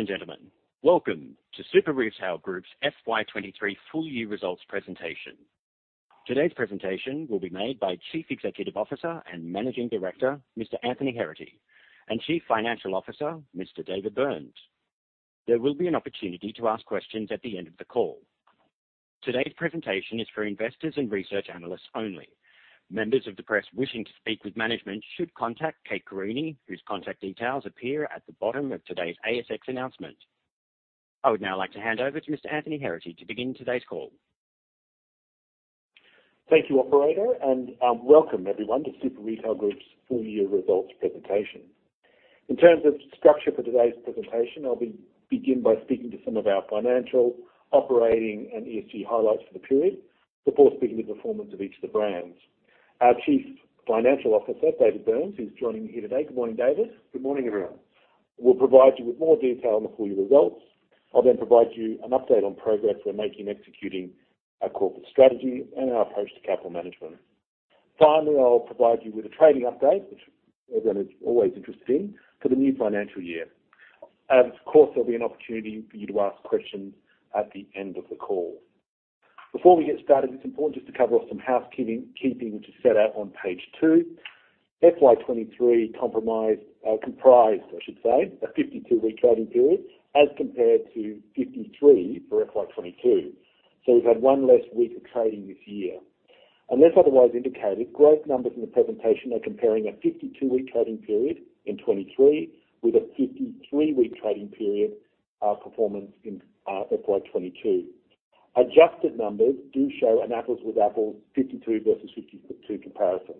Ladies and gentlemen, welcome to Super Retail Group's FY 2023 full year results presentation. Today's presentation will be made by Chief Executive Officer and Managing Director, Mr. Anthony Heraghty, and Chief Financial Officer, Mr. David Burns. There will be an opportunity to ask questions at the end of the call. Today's presentation is for investors and research analysts only. Members of the press wishing to speak with management should contact Kate Carini, whose contact details appear at the bottom of today's ASX announcement. I would now like to hand over to Mr. Anthony Heraghty to begin today's call. Thank you, operator, and welcome everyone, to Super Retail Group's full year results presentation. In terms of structure for today's presentation, I'll begin by speaking to some of our financial, operating, and ESG highlights for the period before speaking to the performance of each of the brands. Our Chief Financial Officer, David Burns, who's joining me here today. Good morning, David. Good morning, everyone. We'll provide you with more detail on the full year results. I'll then provide you an update on progress we're making in executing our corporate strategy and our approach to capital management. Finally, I'll provide you with a trading update, which everyone is always interested in, for the new financial year. Of course, there'll be an opportunity for you to ask questions at the end of the call. Before we get started, it's important just to cover off some housekeeping, which is set out on page two. FY 2023 comprised, I should say, a 52-week trading period, as compared to 53 for FY 2022. We've had one less week of trading this year. Unless otherwise indicated, growth numbers in the presentation are comparing a 52-week trading period in 2023 with a 53-week trading period performance in FY 2022. Adjusted numbers do show an apples with apples, 52 versus 52 comparison.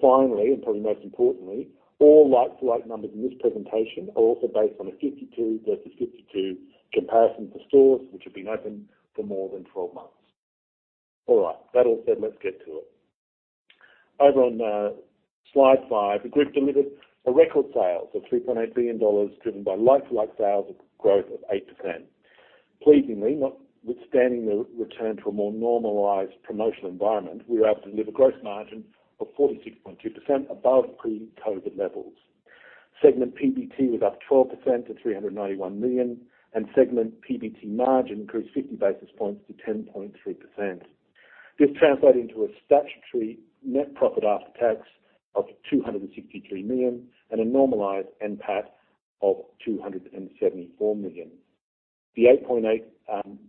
Finally, and probably most importantly, all like-for-like numbers in this presentation are also based on a 52 versus 52 comparison for stores which have been open for more than 12 months. All right, that all said, let's get to it. Over on slide five, the group delivered a record sales of 3.8 billion dollars, driven by like-for-like sales growth of 8%. Pleasingly, notwithstanding the return to a more normalized promotional environment, we were able to deliver gross margin of 46.2% above pre-COVID levels. Segment PBT was up 12% to 391 million, and segment PBT margin increased 50 basis points to 10.3%. This translated into a statutory net profit after tax of 263 million and a normalized NPAT of 274 million. The 8.8 million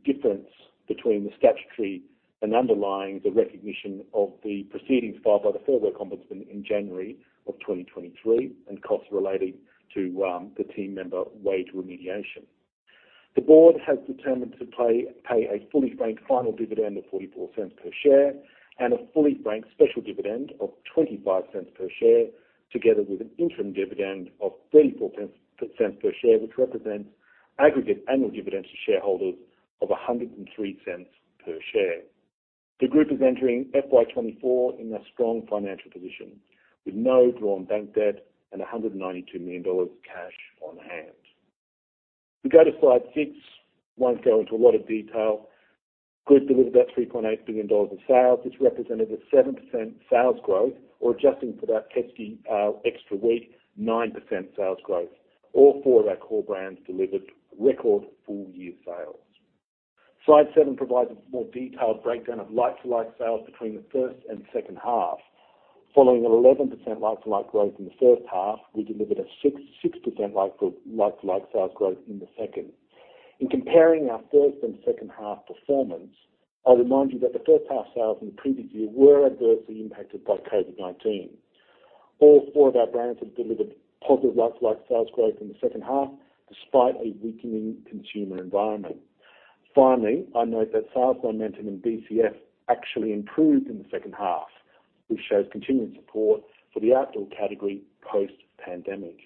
difference between the statutory and underlying the recognition of the proceedings filed by the Fair Work Ombudsman in January 2023 and costs relating to the team member wage remediation. The board has determined to pay a fully franked final dividend of 0.44 per share and a fully franked special dividend of 0.25 per share, together with an interim dividend of 0.34 per share, which represents aggregate annual dividends to shareholders of 1.03 per share. The group is entering FY 2024 in a strong financial position, with no drawn bank debt and 192 million dollars of cash on hand. We go to slide six. Won't go into a lot of detail. Group delivered about 3.8 billion dollars in sales, which represented a 7% sales growth, or adjusting for that pesky extra week, 9% sales growth. All four of our core brands delivered record full year sales. Slide seven provides a more detailed breakdown of like-to-like sales between the first and second half. Following an 11% like-to-like growth in the first half, we delivered a 6% like-for-like sales growth in the second. In comparing our first and second half performance, I'll remind you that the first half sales in the previous year were adversely impacted by COVID-19. All four of our brands have delivered positive like-for-like sales growth in the second half, despite a weakening consumer environment. Finally, I note that sales momentum in BCF actually improved in the second half, which shows continuing support for the outdoor category post-pandemic.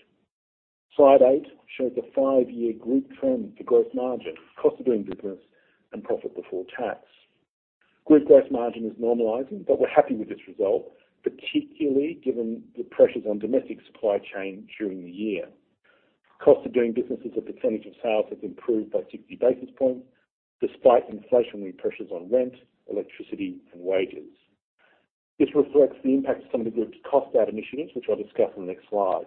Slide eight shows the five-year group trend for gross margin, cost of doing business, and profit before tax. Group gross margin is normalizing, but we're happy with this result, particularly given the pressures on domestic supply chain during the year. Cost of doing business as a percentage of sales has improved by 60 basis points, despite inflationary pressures on rent, electricity, and wages. This reflects the impact of some of the group's cost-out initiatives, which I'll discuss on the next slide.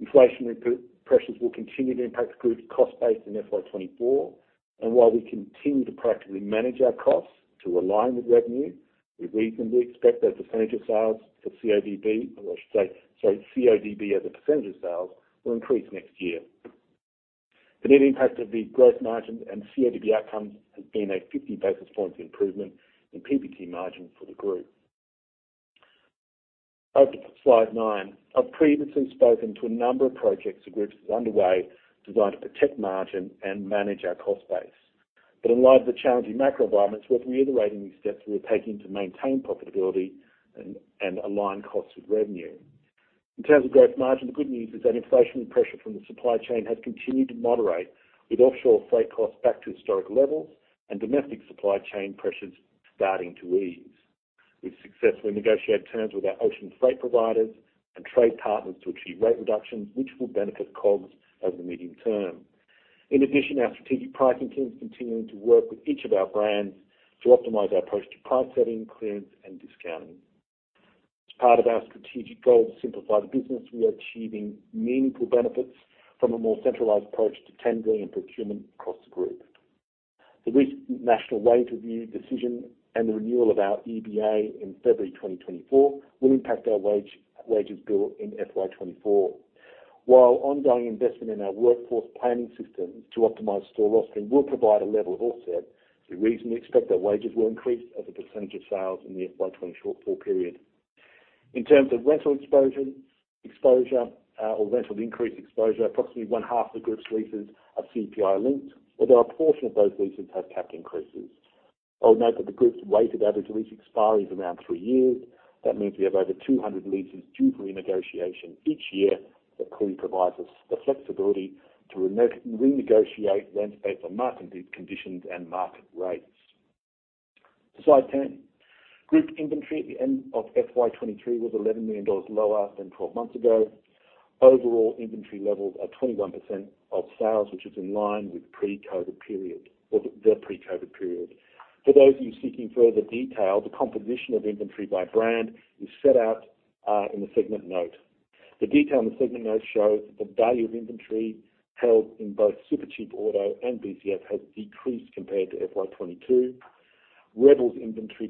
Inflationary pressures will continue to impact the group's cost base in FY 2024. While we continue to practically manage our costs to align with revenue, we reasonably expect that % of sales for CODB, or I should say, sorry, CODB as a percent of sales will increase next year. The net impact of the gross margin and CODB outcomes has been a 50-basis points improvement in PBT margin for the group. Over to slide nine. I've previously spoken to a number of projects the group has underway designed to protect margin and manage our cost base. In light of the challenging macro environments, we're reiterating these steps we're taking to maintain profitability and align costs with revenue. In terms of gross margin, the good news is that inflationary pressure from the supply chain has continued to moderate, with offshore freight costs back to historic levels and domestic supply chain pressures starting to ease. We've successfully negotiated terms with our ocean freight providers and trade partners to achieve rate reductions, which will benefit COGS over the medium term. Our strategic pricing team is continuing to work with each of our brands to optimize our approach to price setting, clearance, and discounting. As part of our strategic goal to simplify the business, we are achieving meaningful benefits from a more centralized approach to tendering and procurement across the group. The recent Annual Wage Review decision and the renewal of our EBA in February 2024 will impact our wages bill in FY 2024. While ongoing investment in our workforce planning systems to optimize store roster will provide a level of offset, we reasonably expect that wages will increase as a percentage of sales in the FY 2024 period. In terms of rental exposure, exposure, or rental increase exposure, approximately one half of the group's leases are CPI linked, although a portion of those leases have capped increases. I would note that the group's weighted average lease expiry is around three years. That means we have over 200 leases due for renegotiation each year. That clearly provides us the flexibility to renegotiate rent based on market conditions and market rates. Slide 10. Group inventory at the end of FY 2023 was 11 million dollars lower than 12 months ago. Overall, inventory levels are 21% of sales, which is in line with pre-COVID period or the pre-COVID period. For those of you seeking further detail, the composition of inventory by brand is set out in the segment note. The detail in the segment note shows that the value of inventory held in both Supercheap Auto and BCF has decreased compared to FY 2022. Rebel's inventory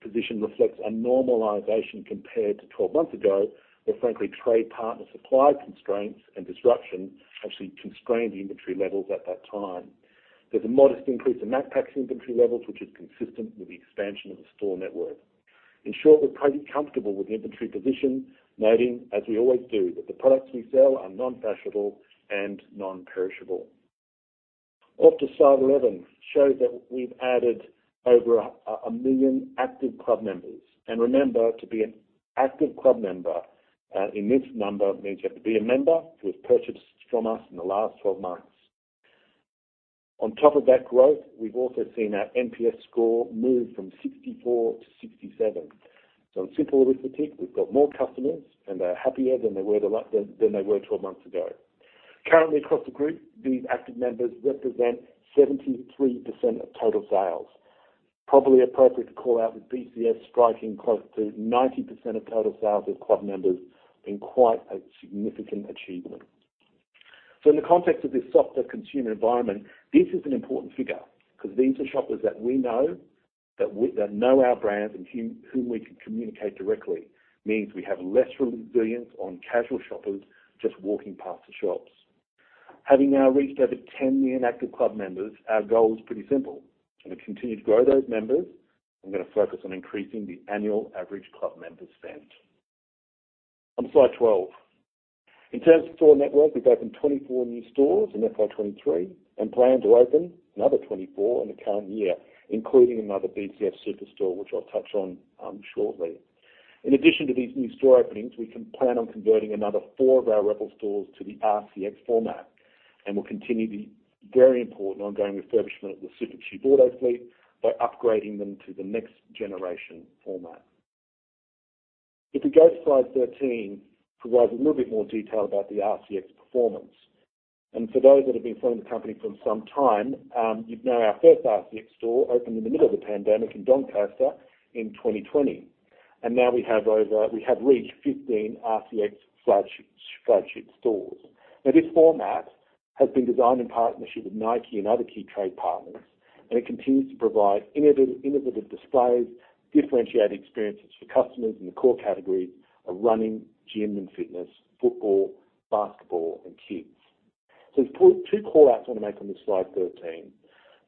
position reflects a normalization compared to 12 months ago, where, frankly, trade partner supply constraints and disruption actually constrained the inventory levels at that time. There's a modest increase in Macpac's inventory levels, which is consistent with the expansion of the store network. In short, we're pretty comfortable with the inventory position, noting, as we always do, that the products we sell are non-fashionable and non-perishable. Off to slide 11, shows that we've added over 1 million active club members. Remember, to be an active club member, in this number means you have to be a member who has purchased from us in the last 12 months. On top of that growth, we've also seen our NPS score move from 64 to 67. In simple arithmetic, we've got more customers, and they're happier than they were 12 months ago. Currently, across the group, these active members represent 73% of total sales. Probably appropriate to call out with BCF striking close to 90% of total sales as club members, being quite a significant achievement. In the context of this softer consumer environment, this is an important figure because these are shoppers that we know, that know our brands and whom, whom we can communicate directly. Means we have less reliance on casual shoppers just walking past the shops. Having now reached over 10 million active club members, our goal is pretty simple: I'm gonna continue to grow those members. I'm gonna focus on increasing the annual average club member spend. On slide 12. In terms of store network, we've opened 24 new stores in FY 2023 and plan to open another 24 in the current year, including another BCF super store, which I'll touch on shortly. In addition to these new store openings, we can plan on converting another four of our Rebel stores to the rCX format, and we'll continue the very important ongoing refurbishment of the Supercheap Auto fleet by upgrading them to the next generation format. If we go to slide 13, provides a little bit more detail about the rCX performance. For those that have been following the company for some time, you'd know our first rCX store opened in the middle of the pandemic in Doncaster in 2020, and now we have reached 15 rCX flagship stores. This format has been designed in partnership with Nike and other key trade partners, and it continues to provide innovative displays, differentiated experiences for customers in the core categories of running, gym and fitness, football, basketball, and kids. There's two call-outs I want to make on this slide 13.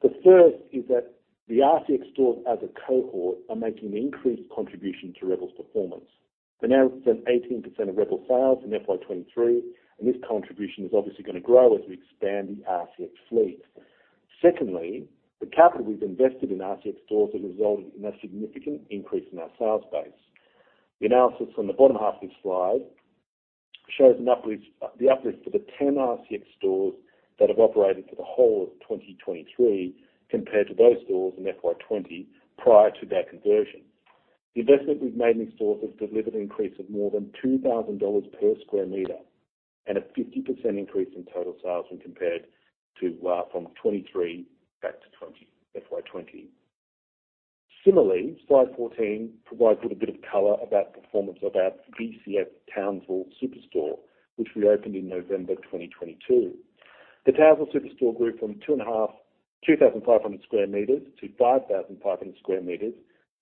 The first is that the rCX stores as a cohort are making an increased contribution to Rebel's performance. For now, it's an 18% of Rebel sales in FY 2023, and this contribution is obviously going to grow as we expand the rCX fleet. Secondly, the capital we've invested in rCX stores has resulted in a significant increase in our sales base. The analysis on the bottom half of this slide shows an uplift, the uplift for the 10 rCX stores that have operated for the whole of 2023 compared to those stores in FY 2020, prior to their conversion. The investment we've made in these stores has delivered an increase of more than 2,000 dollars per square meter and a 50% increase in total sales when compared to from 2023 back to 2020, FY 2020. Similarly, slide 14 provides a little bit of color about performance of our BCF Townsville Superstore, which we opened in November 2022. The Townsville Superstore grew from 2,500 square meters to 5,500 square meters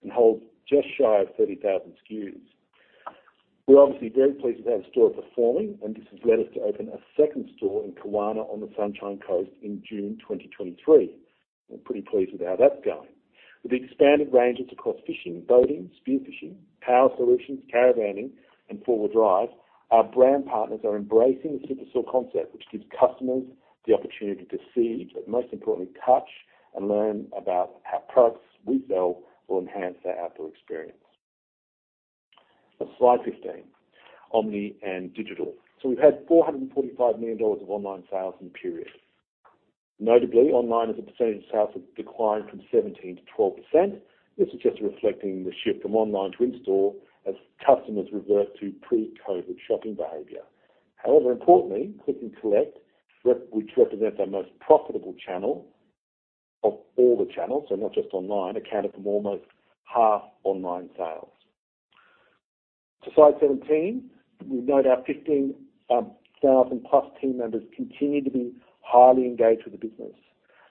and holds just shy of 30,000 SKUs. We're obviously very pleased with how the store is performing. This has led us to open a second store in Kawana on the Sunshine Coast in June 2023. We're pretty pleased with how that's going. With the expanded ranges across fishing, boating, spearfishing, power solutions, caravaning, and four-wheel drive, our brand partners are embracing the superstore concept, which gives customers the opportunity to see, but most importantly, touch and learn about how products we sell will enhance their outdoor experience. On slide 15, omni and digital. We've had 445 million dollars of online sales in the period. Notably, online as a percentage of sales have declined from 17% to 12%. This is just reflecting the shift from online to in-store as customers revert to pre-COVID shopping behavior. However, importantly, Click and Collect, which represents our most profitable channel. of all the channels, so not just online, accounted for almost half online sales. To slide 17, we note our 15,000-plus team members continue to be highly engaged with the business.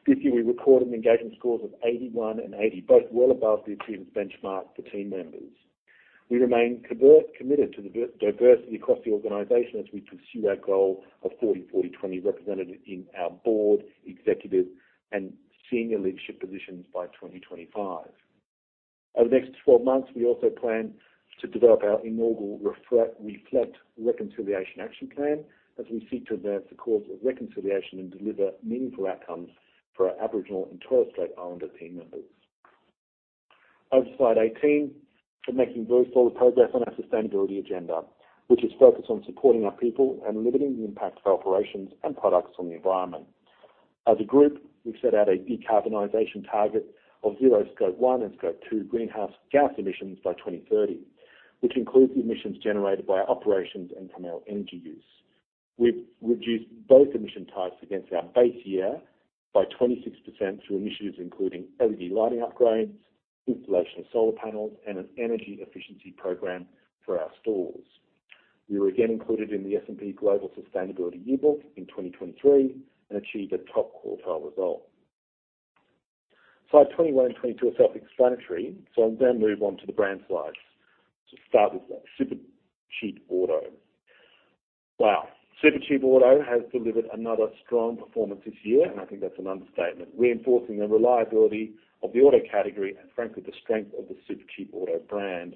This year, we recorded engagement scores of 81 and 80, both well above the achievement benchmark for team members. We remain committed to the diversity across the organization as we pursue our goal of 40/40/20, represented in our board, executive, and senior leadership positions by 2025. Over the next 12 months, we also plan to develop our inaugural Reflect Reconciliation Action Plan, as we seek to advance the cause of reconciliation and deliver meaningful outcomes for our Aboriginal and Torres Strait Islander team members. On to slide 18, we're making very solid progress on our sustainability agenda, which is focused on supporting our people and limiting the impact of our operations and products on the environment. As a group, we've set out a decarbonization target of zero Scope 1 and Scope 2 greenhouse gas emissions by 2030, which includes the emissions generated by our operations and from our energy use. We've reduced both emission types against our base year by 26% through initiatives including LED lighting upgrades, installation of solar panels, and an energy efficiency program for our stores. We were again included in the S&P Global Sustainability Yearbook in 2023 and achieved a top quartile result. Slide 21 and 22 are self-explanatory, so I'll then move on to the brand slides. To start with, Supercheap Auto. Wow! Supercheap Auto has delivered another strong performance this year, and I think that's an understatement, reinforcing the reliability of the auto category and frankly, the strength of the Supercheap Auto brand.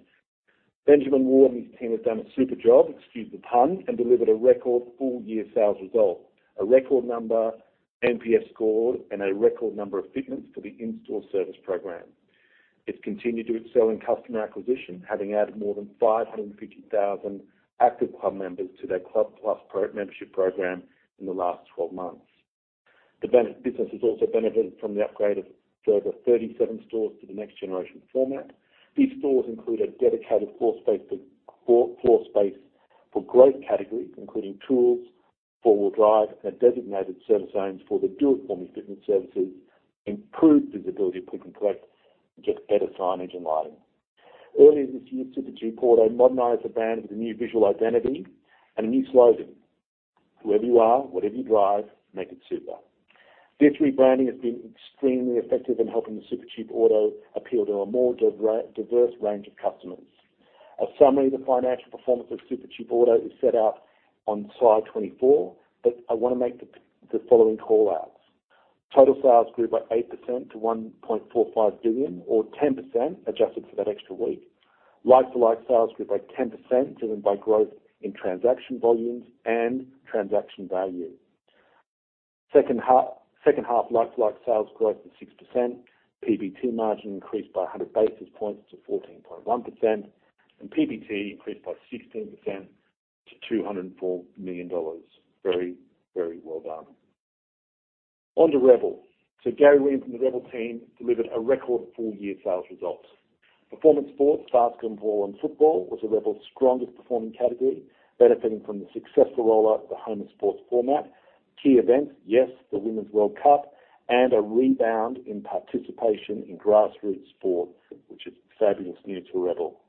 Benjamin Ward and his team have done a super job, excuse the pun, and delivered a record full-year sales result, a record number, NPS score, and a record number of fitments for the in-store service program. It's continued to excel in customer acquisition, having added more than 550,000 active club members to their Club Plus membership program in the last 12 months. The business has also benefited from the upgrade of over 37 stores to the next generation format. These stores include a dedicated floor space for growth categories, including tools, four-wheel drive, and designated service zones for the do-it-for-me fitment services, improved visibility of Click and Collect, get better signage and lighting. Earlier this year, Supercheap Auto modernized the brand with a new visual identity and a new slogan: "Wherever you are, whatever you drive, make it super." This rebranding has been extremely effective in helping the Supercheap Auto appeal to a more diverse range of customers. A summary of the financial performance of Supercheap Auto is set out on slide 24, but I want to make the following callouts. Total sales grew by 8% to 1.45 billion, or 10%, adjusted for that extra week. Like-for-like sales grew by 10%, driven by growth in transaction volumes and transaction value. Second half, second half like-for-like sales growth was 6%. PBT margin increased by 100 basis points to 14.1%, and PBT increased by 16% to 204 million dollars. Very, very well done. To Rebel. Gary Williams and the Rebel team delivered a record full-year sales result. Performance sports, basketball, and football was Rebel's strongest performing category, benefiting from the successful rollout of the home and sports format. Key events, yes, the Women's World Cup, and a rebound in participation in grassroots sport, which is fabulous news to Rebel.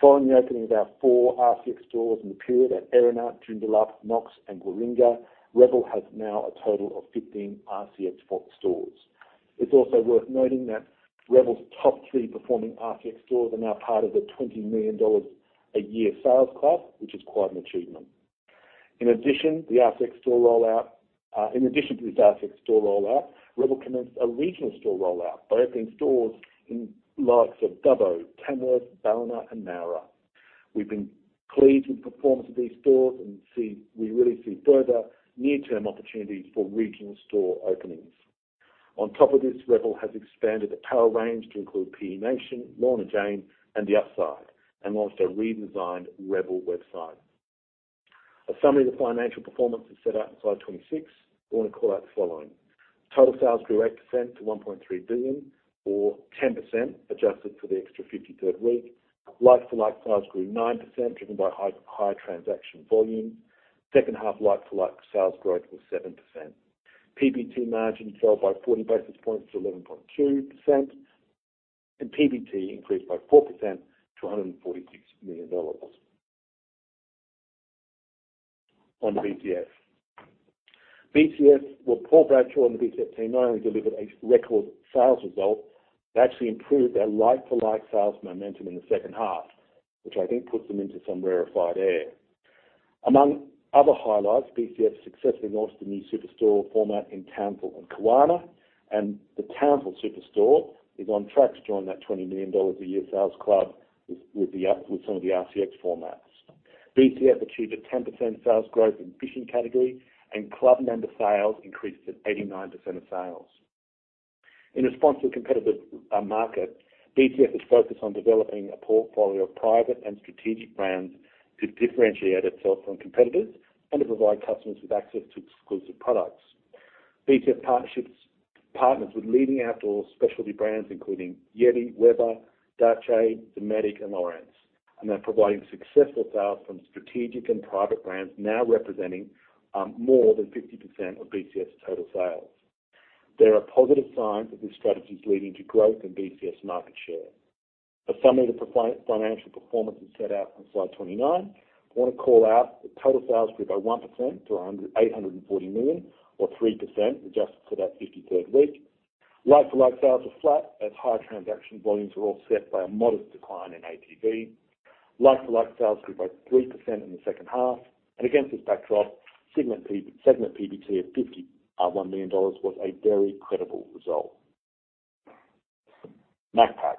Following the opening of our four rCX stores in the period at Erina, Joondalup, Knox, and Warringah, Rebel has now a total of 15 Rebel rCX stores. It's also worth noting that Rebel's top three performing rCX stores are now part of the 20 million dollars a year sales club, which is quite an achievement. In addition to this rCX store rollout, Rebel commenced a regional store rollout by opening stores in the likes of Dubbo, Tamworth, Ballina, and Nowra. We've been pleased with the performance of these stores and we really see further near-term opportunities for regional store openings. On top of this, Rebel has expanded its power range to include P.E Nation, Lorna Jane, and THE UPSIDE, and launched a redesigned Rebel website. A summary of the financial performance is set out in slide 26. I want to call out the following: Total sales grew 8% to 1.3 billion, or 10%, adjusted for the extra 53rd week. Like-for-like sales grew 9%, driven by high, high transaction volume. Second half like-for-like sales growth was 7%. PBT margin fell by 40 basis points to 11.2%. PBT increased by 4% to 146 million dollars. On to BCF. BCF, well, Paul Bradshaw and the BCF team not only delivered a record sales result but actually improved their like-for-like sales momentum in the second half, which I think puts them into some rarefied air. Among other highlights, BCF successfully launched the new super store format in Townsville and Kawana. The Townsville super store is on track to join that 20 million dollars a year sales club with, with some of the rCX formats. BCF achieved a 10% sales growth in fishing category. Club member sales increased to 89% of sales. In response to the competitive market, BCF is focused on developing a portfolio of private and strategic brands to differentiate itself from competitors and to provide customers with access to exclusive products. BCF Partnerships- partners with leading outdoor specialty brands including YETI, Weber, Darche, Dometic, and Lowrance. They're providing successful sales from strategic and private brands, now representing more than 50% of BCF's total sales. There are positive signs that this strategy is leading to growth in BCF market share. A summary of the financial performance is set out on slide 29. I want to call out that total sales grew by 1% to 840 million or 3%, adjusted for that 53rd week. Like-for-like sales are flat, as higher transaction volumes were offset by a modest decline in APV. Like-for-like sales grew by 3% in the second half. Against this backdrop, segment PBT of 51 million dollars was a very credible result. Macpac.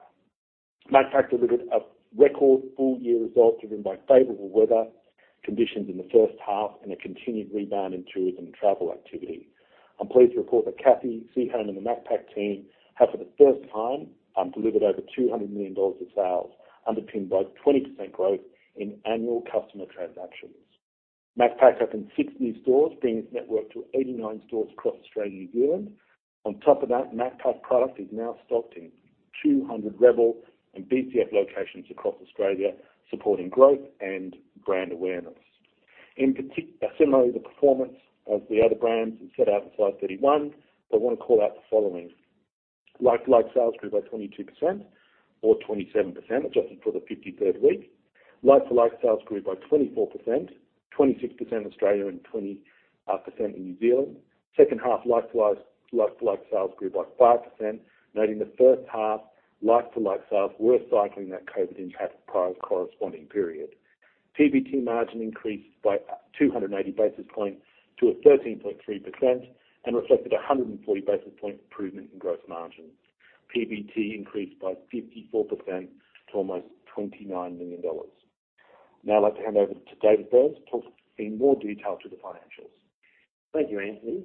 Macpac delivered a record full-year result, driven by favorable weather conditions in the first half and a continued rebound in tourism and travel activity. I'm pleased to report that Cathy Seah and the Macpac team have, for the first time, delivered over 200 million dollars of sales, underpinned by 20% growth in annual customer transactions. Macpac opened six new stores, bringing its network to 89 stores across Australia and New Zealand. On top of that, Macpac product is now stocked in 200 Rebel and BCF locations across Australia, supporting growth and brand awareness. Similarly, the performance of the other brands is set out in slide 31, but I want to call out the following: like-for-like sales grew by 22% or 27%, adjusted for the 53rd week. Like-for-like sales grew by 24%, 26% in Australia and 20% in New Zealand. Second half, like-for-like sales grew by 5%, noting the first half, like-for-like sales were cycling that COVID impact prior corresponding period. PBT margin increased by 280 basis points to a 13.3% and reflected a 140 basis point improvement in gross margins. PBT increased by 54% to almost 29 million dollars. Now I'd like to hand over to David Burns to talk in more detail to the financials. Thank you, Anthony.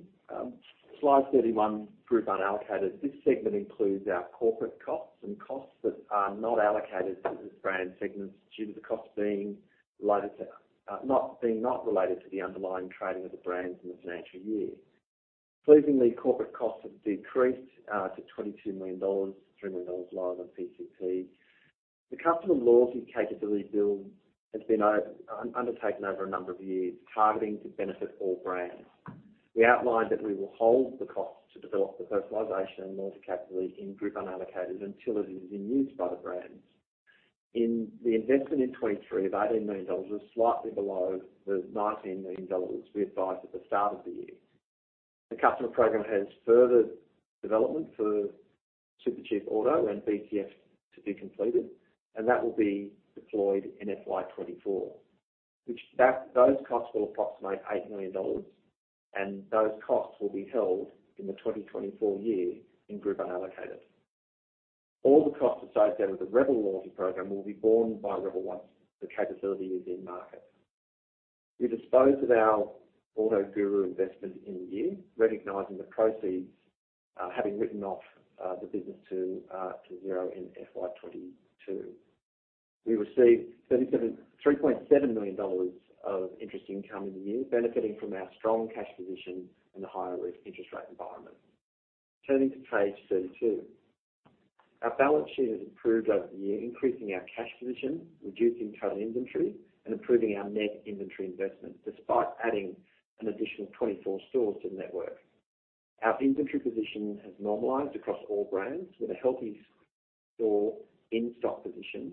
Slide 31, group unallocated. This segment includes our corporate costs and costs that are not allocated to the brand segments, due to the cost being not related to the underlying trading of the brands in the financial year. Pleasingly, corporate costs have decreased to 22 million dollars, 3 million dollars lower than PCP. The customer loyalty capability build has been undertaken over a number of years, targeting to benefit all brands. We outlined that we will hold the cost to develop the personalization and loyalty capability in group unallocated until it is in use by the brands. The investment in 2023 of 18 million dollars was slightly below the 19 million dollars we advised at the start of the year. The customer program has further development for Supercheap Auto and BCF to be completed, and that will be deployed in FY 2024, those costs will approximate 8 million dollars, and those costs will be held in the 2024 year in group unallocated. All the costs associated with the Rebel loyalty program will be borne by Rebel once the capability is in market. We disposed of our AutoGuru investment in the year, recognizing the proceeds, having written off the business to zero in FY 2022. We received 3.7 million dollars of interest income in the year, benefiting from our strong cash position and the higher risk interest rate environment. Turning to page 32. Our balance sheet has improved over the year, increasing our cash position, reducing total inventory, and improving our net inventory investments, despite adding an additional 24 stores to the network. Our inventory position has normalized across all brands with a healthy store in-stock position,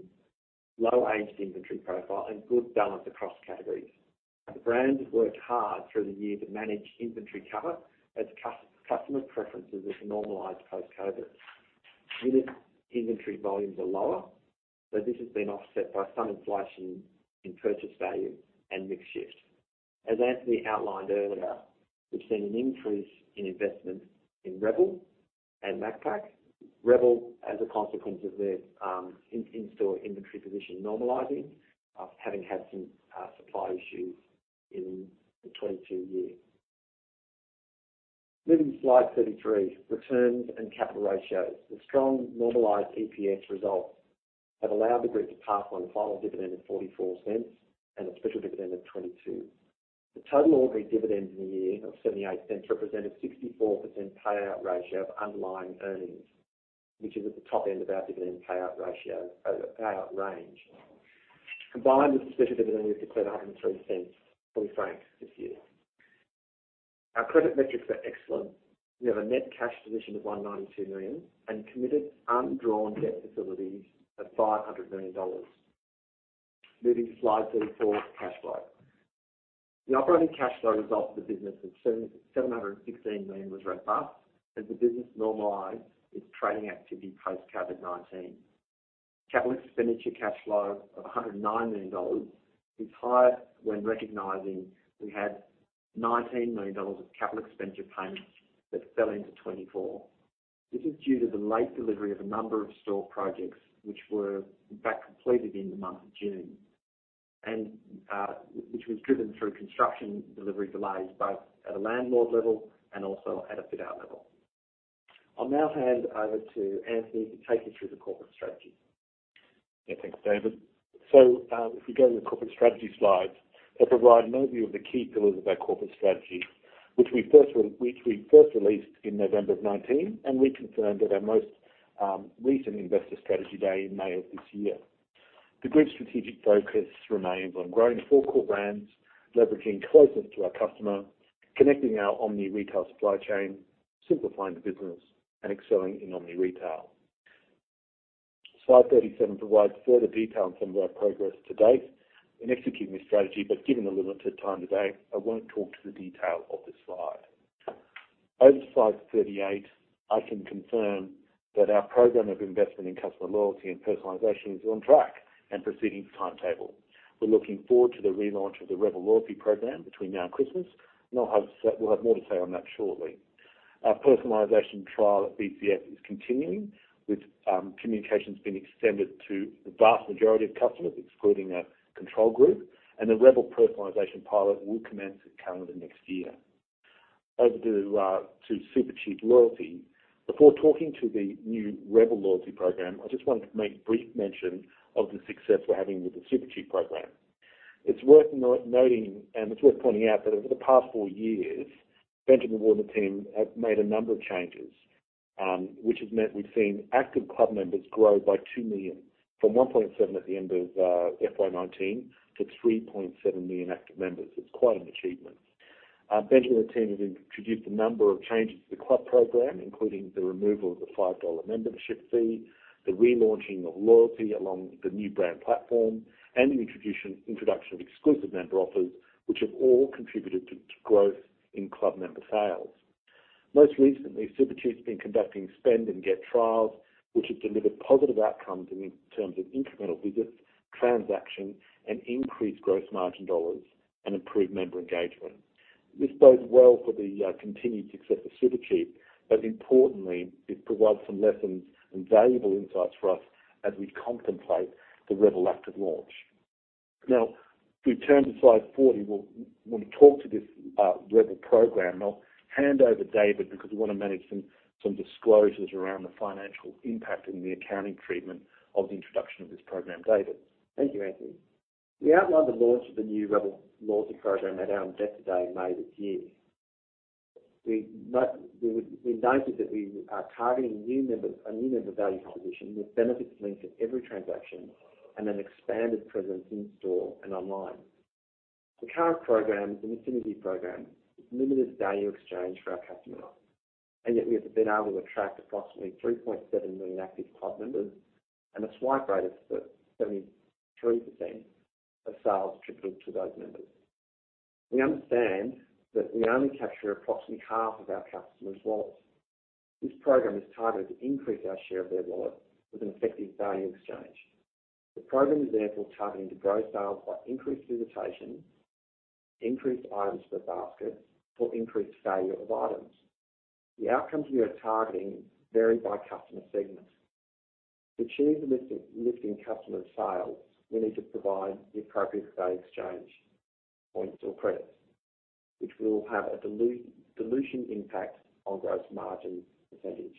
low aged inventory profile, and good balance across categories. The brand has worked hard through the year to manage inventory cover as customer preferences have normalized post-COVID. Unit inventory volumes are lower, but this has been offset by some inflation in purchase value and mix shift. As Anthony outlined earlier, we've seen an increase in investment in Rebel and Macpac. Rebel, as a consequence of their in-store inventory position normalizing, having had some supply issues in the 2022 year. Moving to slide 33, returns and capital ratios. The strong normalized EPS results have allowed the group to pass on a final dividend of 0.44 and a special dividend of 0.22. The total ordinary dividends in the year of 0.78 represented 64% payout ratio of underlying earnings, which is at the top end of our dividend payout ratio payout range. Combined with the special dividend, we declared 1.03 fully franked this year. Our credit metrics are excellent. We have a net cash position of 192 million and committed undrawn debt facilities of 500 million dollars. Moving to slide 34, cash flow. The operating cash flow result of the business of 716 million was robust as the business normalized its trading activity post-COVID-19. Capital expenditure cash flow of 109 million dollars is higher when recognizing we had 19 million dollars of Capital expenditure payments that fell into 2024. This is due to the late delivery of a number of store projects, which were, in fact, completed in the month of June, and which was driven through construction delivery delays, both at a landlord level and also at a fit-out level. I'll now hand over to Anthony to take you through the corporate strategy. Yeah. Thanks, David. If we go to the corporate strategy slides, they provide an overview of the key pillars of our corporate strategy, which we first released in November of 2019, and reconfirmed at our most recent Investor Strategy Day in May of this year. The group's strategic focus remains on growing four core brands, leveraging closeness to our customer, connecting our omni retail supply chain, simplifying the business, and excelling in omni retail. Slide 37 provides further detail on some of our progress to date in executing this strategy, given the limited time today, I won't talk to the detail of this slide. Over to slide 38, I can confirm that our program of investment in customer loyalty and personalization is on track and proceeding to timetable. We're looking forward to the relaunch of the Rebel loyalty program between now and Christmas. We'll have more to say on that shortly. Our personalization trial at BCF is continuing, with communications being extended to the vast majority of customers, excluding our control group, and the Rebel personalization pilot will commence at calendar next year. Over to Supercheap Loyalty. Before talking to the new Rebel loyalty program, I just wanted to make brief mention of the success we're having with the Supercheap program. It's worth noting, and it's worth pointing out that over the past four years, Benjamin and the team have made a number of changes, which has meant we've seen active club members grow by 2 million, from 1.7 million at the end of FY 2019 to 3.7 million active members. It's quite an achievement. Benjamin and the team have introduced a number of changes to the club program, including the removal of the 5 dollar membership fee, the relaunching of loyalty along the new brand platform, and the introduction of exclusive member offers, which have all contributed to growth in club member sales. Most recently, Supercheap's been conducting spend and get trials, which have delivered positive outcomes in terms of incremental visits, transactions, and increased gross margin dollars, and improved member engagement. This bodes well for the continued success of Supercheap, but importantly, it provides some lessons and valuable insights for us as we contemplate the Rebel Active launch. If we turn to slide 40, when we talk to this Rebel program, I'll hand over to David, because we want to manage some, some disclosures around the financial impact and the accounting treatment of the introduction of this program. David? Thank you, Anthony. We outlined the launch of the new Rebel loyalty program at our Investor Day in May this year. We note, we noted that we are targeting new members, a new member value proposition with benefits linked to every transaction and an expanded presence in store and online. Yet we have been able to attract approximately 3.7 million active club members and a swipe rate of 73% of sales attributed to those members. We understand that we only capture approximately half of our customers' wallets. This program is targeted to increase our share of their wallet with an effective value exchange. The program is therefore targeting to grow sales by increased visitation, increased items per basket, or increased value of items. The outcomes we are targeting vary by customer segments. To achieve the lifting, lifting customer sales, we need to provide the appropriate value exchange, points or credits, which will have a dilution impact on gross margin percentage.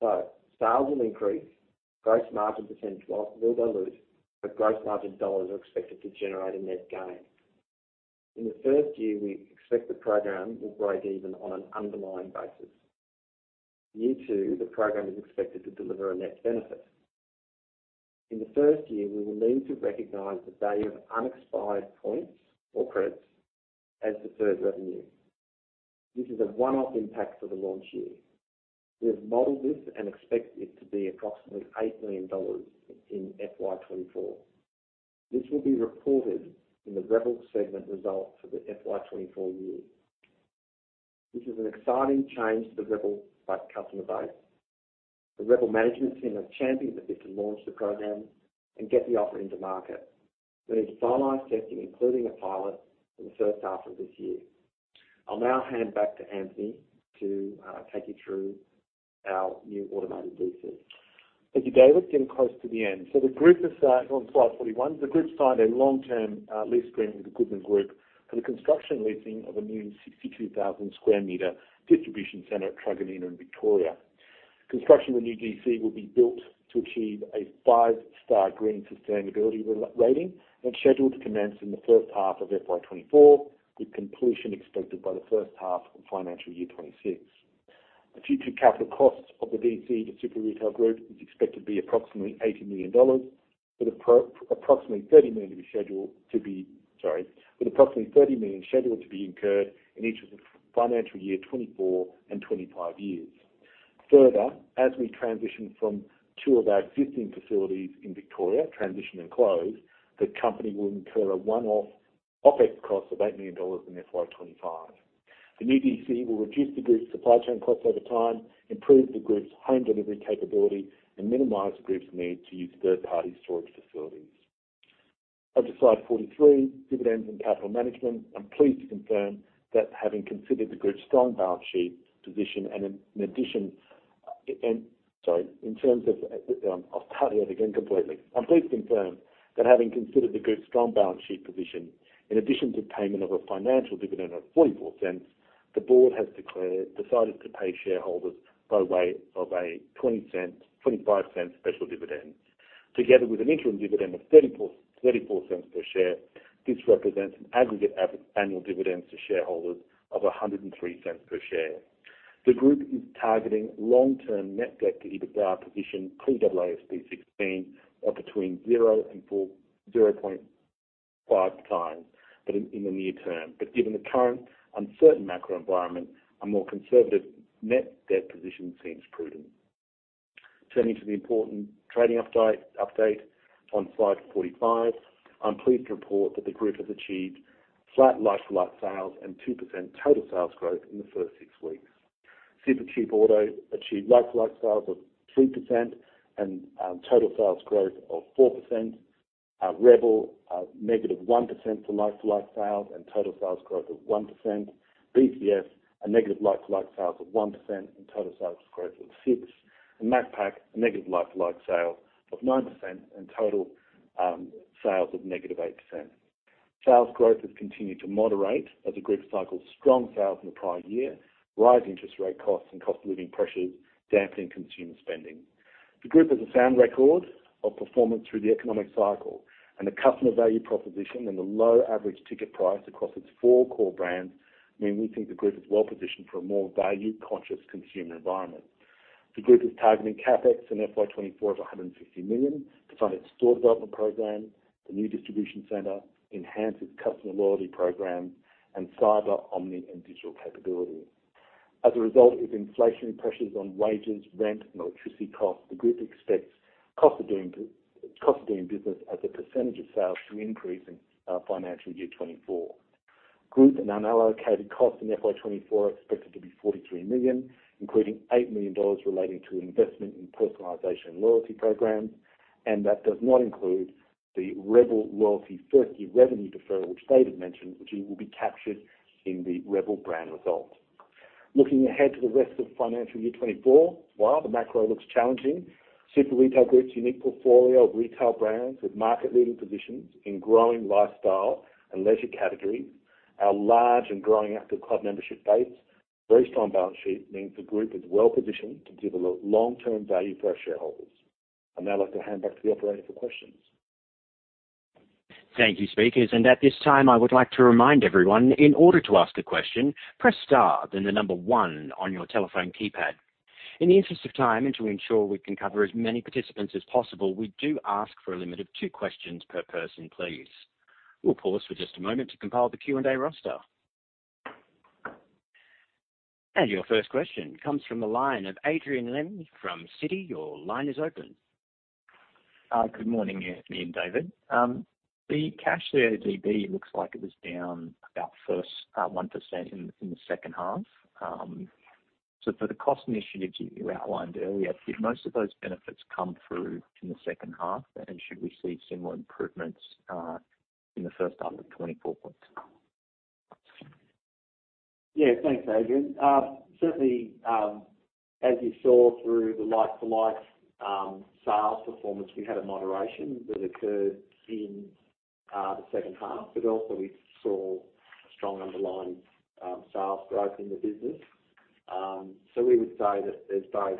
Sales will increase, gross margin percentage will dilute, but gross margin dollars are expected to generate a net gain. In the first year, we expect the program will break even on an underlying basis. Year two, the program is expected to deliver a net benefit. In the first year, we will need to recognize the value of unexpired points or credits as deferred revenue. This is a one-off impact for the launch year. We have modeled this and expect it to be approximately 8 million dollars in FY 2024. This will be reported in the Rebel segment results for the FY 2024 year. This is an exciting change to the Rebel customer base. The Rebel management team are championing this to launch the program and get the offer into market. We need to finalize testing, including a pilot, in the first half of this year. I'll now hand back to Anthony to take you through our new automated DC. Thank you, David. Getting close to the end. The group has on slide 41, the group signed a long-term lease agreement with the Goodman Group for the construction and leasing of a new 62,000 square meter distribution center at Truganina in Victoria. Construction of the new DC will be built to achieve a five-star green sustainability re-rating and scheduled to commence in the first half of FY 2024, with completion expected by the first half of FY 2026. The future capital costs of the DC to Super Retail Group is expected to be approximately 80 million dollars, with approximately 30 million scheduled to be incurred in each of the FY 2024 and FY 2025 years. Further, as we transition from two of our existing facilities in Victoria, transition and close, the company will incur a one-off OpEx cost of 8 million dollars in FY 2025. The new DC will reduce the group's supply chain costs over time, improve the group's home delivery capability, and minimize the group's need to use third-party storage facilities. Over to slide 43, dividends and capital management. I'm pleased to confirm that having considered the group's strong balance sheet position, in addition to payment of a financial dividend of 0.44, the board has decided to pay shareholders by way of a 0.25 special dividend. Together with an interim dividend of 0.34 per share, this represents an aggregate annual dividends to shareholders of 1.03 per share. The group is targeting long-term net debt to EBITDA position pre-AASB 16 of between 0x and 0.5x, in the near term. Given the current uncertain macro environment, a more conservative net debt position seems prudent. Turning to the important trading update on slide 45, I'm pleased to report that the group has achieved flat like-for-like sales and 2% total sales growth in the first six weeks. Supercheap Auto achieved like-for-like sales of 3% and total sales growth of 4%. Rebel, negative 1% to like-for-like sales and total sales growth of 1%. BCF, a negative like-for-like sales of 1% and total sales growth of 6%, Macpac, a negative like-for-like sale of 9% and total sales of negative 8%. Sales growth has continued to moderate as the group cycles strong sales in the prior year, rising interest rate costs and cost of living pressures damping consumer spending. The group has a sound record of performance through the economic cycle and the customer value proposition and the low average ticket price across its four core brands, mean we think the group is well positioned for a more value-conscious consumer environment. The group is targeting CapEx in FY 2024 of 150 million to fund its store development program, the new distribution center, enhance its customer loyalty program, and cyber, omni, and digital capability. As a result of inflationary pressures on wages, rent, and electricity costs, the group expects cost of doing business as a percentage of sales to increase in FY 2024. Group and unallocated costs in FY 2024 are expected to be 43 million, including 8 million dollars relating to investment in personalization and loyalty programs, and that does not include the Rebel loyalty first-year revenue deferral, which David mentioned, which will be captured in the Rebel brand results. Looking ahead to the rest of FY 2024, while the macro looks challenging, Super Retail Group's unique portfolio of retail brands with market-leading positions in growing lifestyle and leisure categories, our large and growing active club membership base, very strong balance sheet means the group is well positioned to deliver long-term value for our shareholders. I'd now like to hand back to the operator for questions. Thank you, speakers. At this time, I would like to remind everyone, in order to ask a question, press star, then one on your telephone keypad. In the interest of time and to ensure we can cover as many participants as possible, we do ask for a limit of two questions per person, please. We'll pause for just a moment to compile the Q&A roster. Your first question comes from the line of Adrian Lemm from Citi. Your line is open. Good morning, Anthony and David. The cash the CODB looks like it was down about first, 1% in, in the second half. For the cost initiatives you, you outlined earlier, did most of those benefits come through in the second half? Should we see similar improvements in the first half of 2024? Yeah, thanks, Adrian. Certainly, as you saw through the like-for-like sales performance, we had a moderation that occurred in the second half, but also we saw strong underlying sales growth in the business. We would say that there's both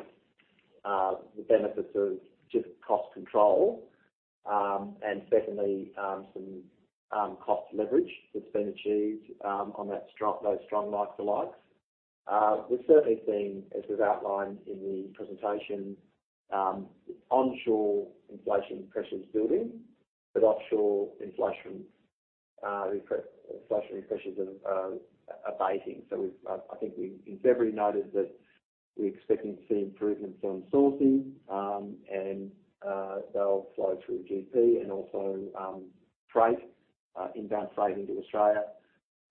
the benefits of just cost control, and certainly, some cost leverage that's been achieved on those strong like-for-likes. We've certainly seen, as was outlined in the presentation, onshore inflation pressures building, but offshore inflation, inflation pressures are, are abating. I think we've every noted that we're expecting to see improvements on sourcing, and they'll flow through GP and also, freight, inbound freight into Australia,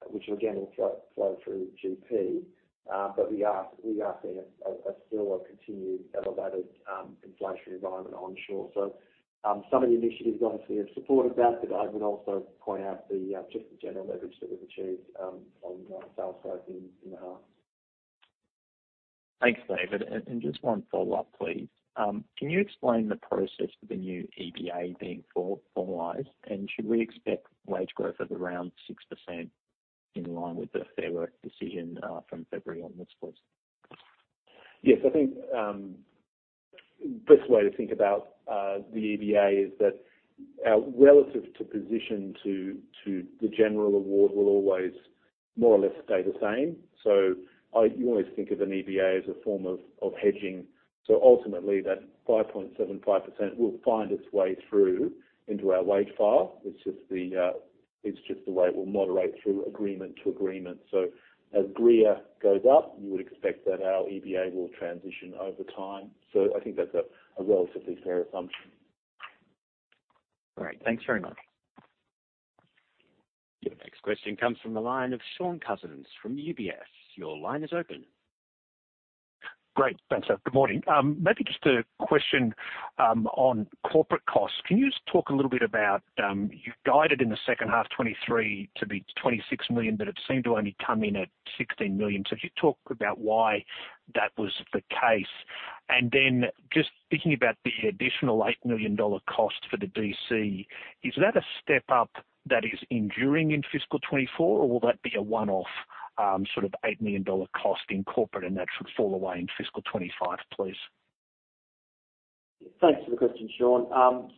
which again, will flow, flow through GP. We are, we are seeing a, a still a continued elevated inflationary environment onshore. Some of the initiatives obviously have supported that, but I would also point out the just the general leverage that we've achieved on sales growth in the half. Thanks, David. Just one follow-up, please. Can you explain the process for the new EBA being formalized? Should we expect wage growth of around 6% in line with the Fair Work decision from February onwards, please? Yes. I think, best way to think about, the EBA is that, relative to position to, to the general award will always more or less stay the same. You always think of an EBA as a form of, of hedging. Ultimately, that 5.75% will find its way through into our wage file. It's just the, it's just the way it will moderate through agreement to agreement. As GRIA goes up, you would expect that our EBA will transition over time. I think that's a, a relatively fair assumption. All right. Thanks very much. Your next question comes from the line of Shaun Cousins from UBS. Your line is open. Great! Thanks, sir. Good morning. Maybe just a question on corporate costs. Can you just talk a little bit about, you guided in the second half, 2023 to be 26 million, but it seemed to only come in at 16 million. If you talk about why that was the case? Then just thinking about the additional 8 million dollar cost for the DC, is that a step up that is enduring in FY 2024, or will that be a one-off, sort of 8 million dollar cost in corporate, and that should fall away in FY 2025, please? Thanks for the question, Shaun.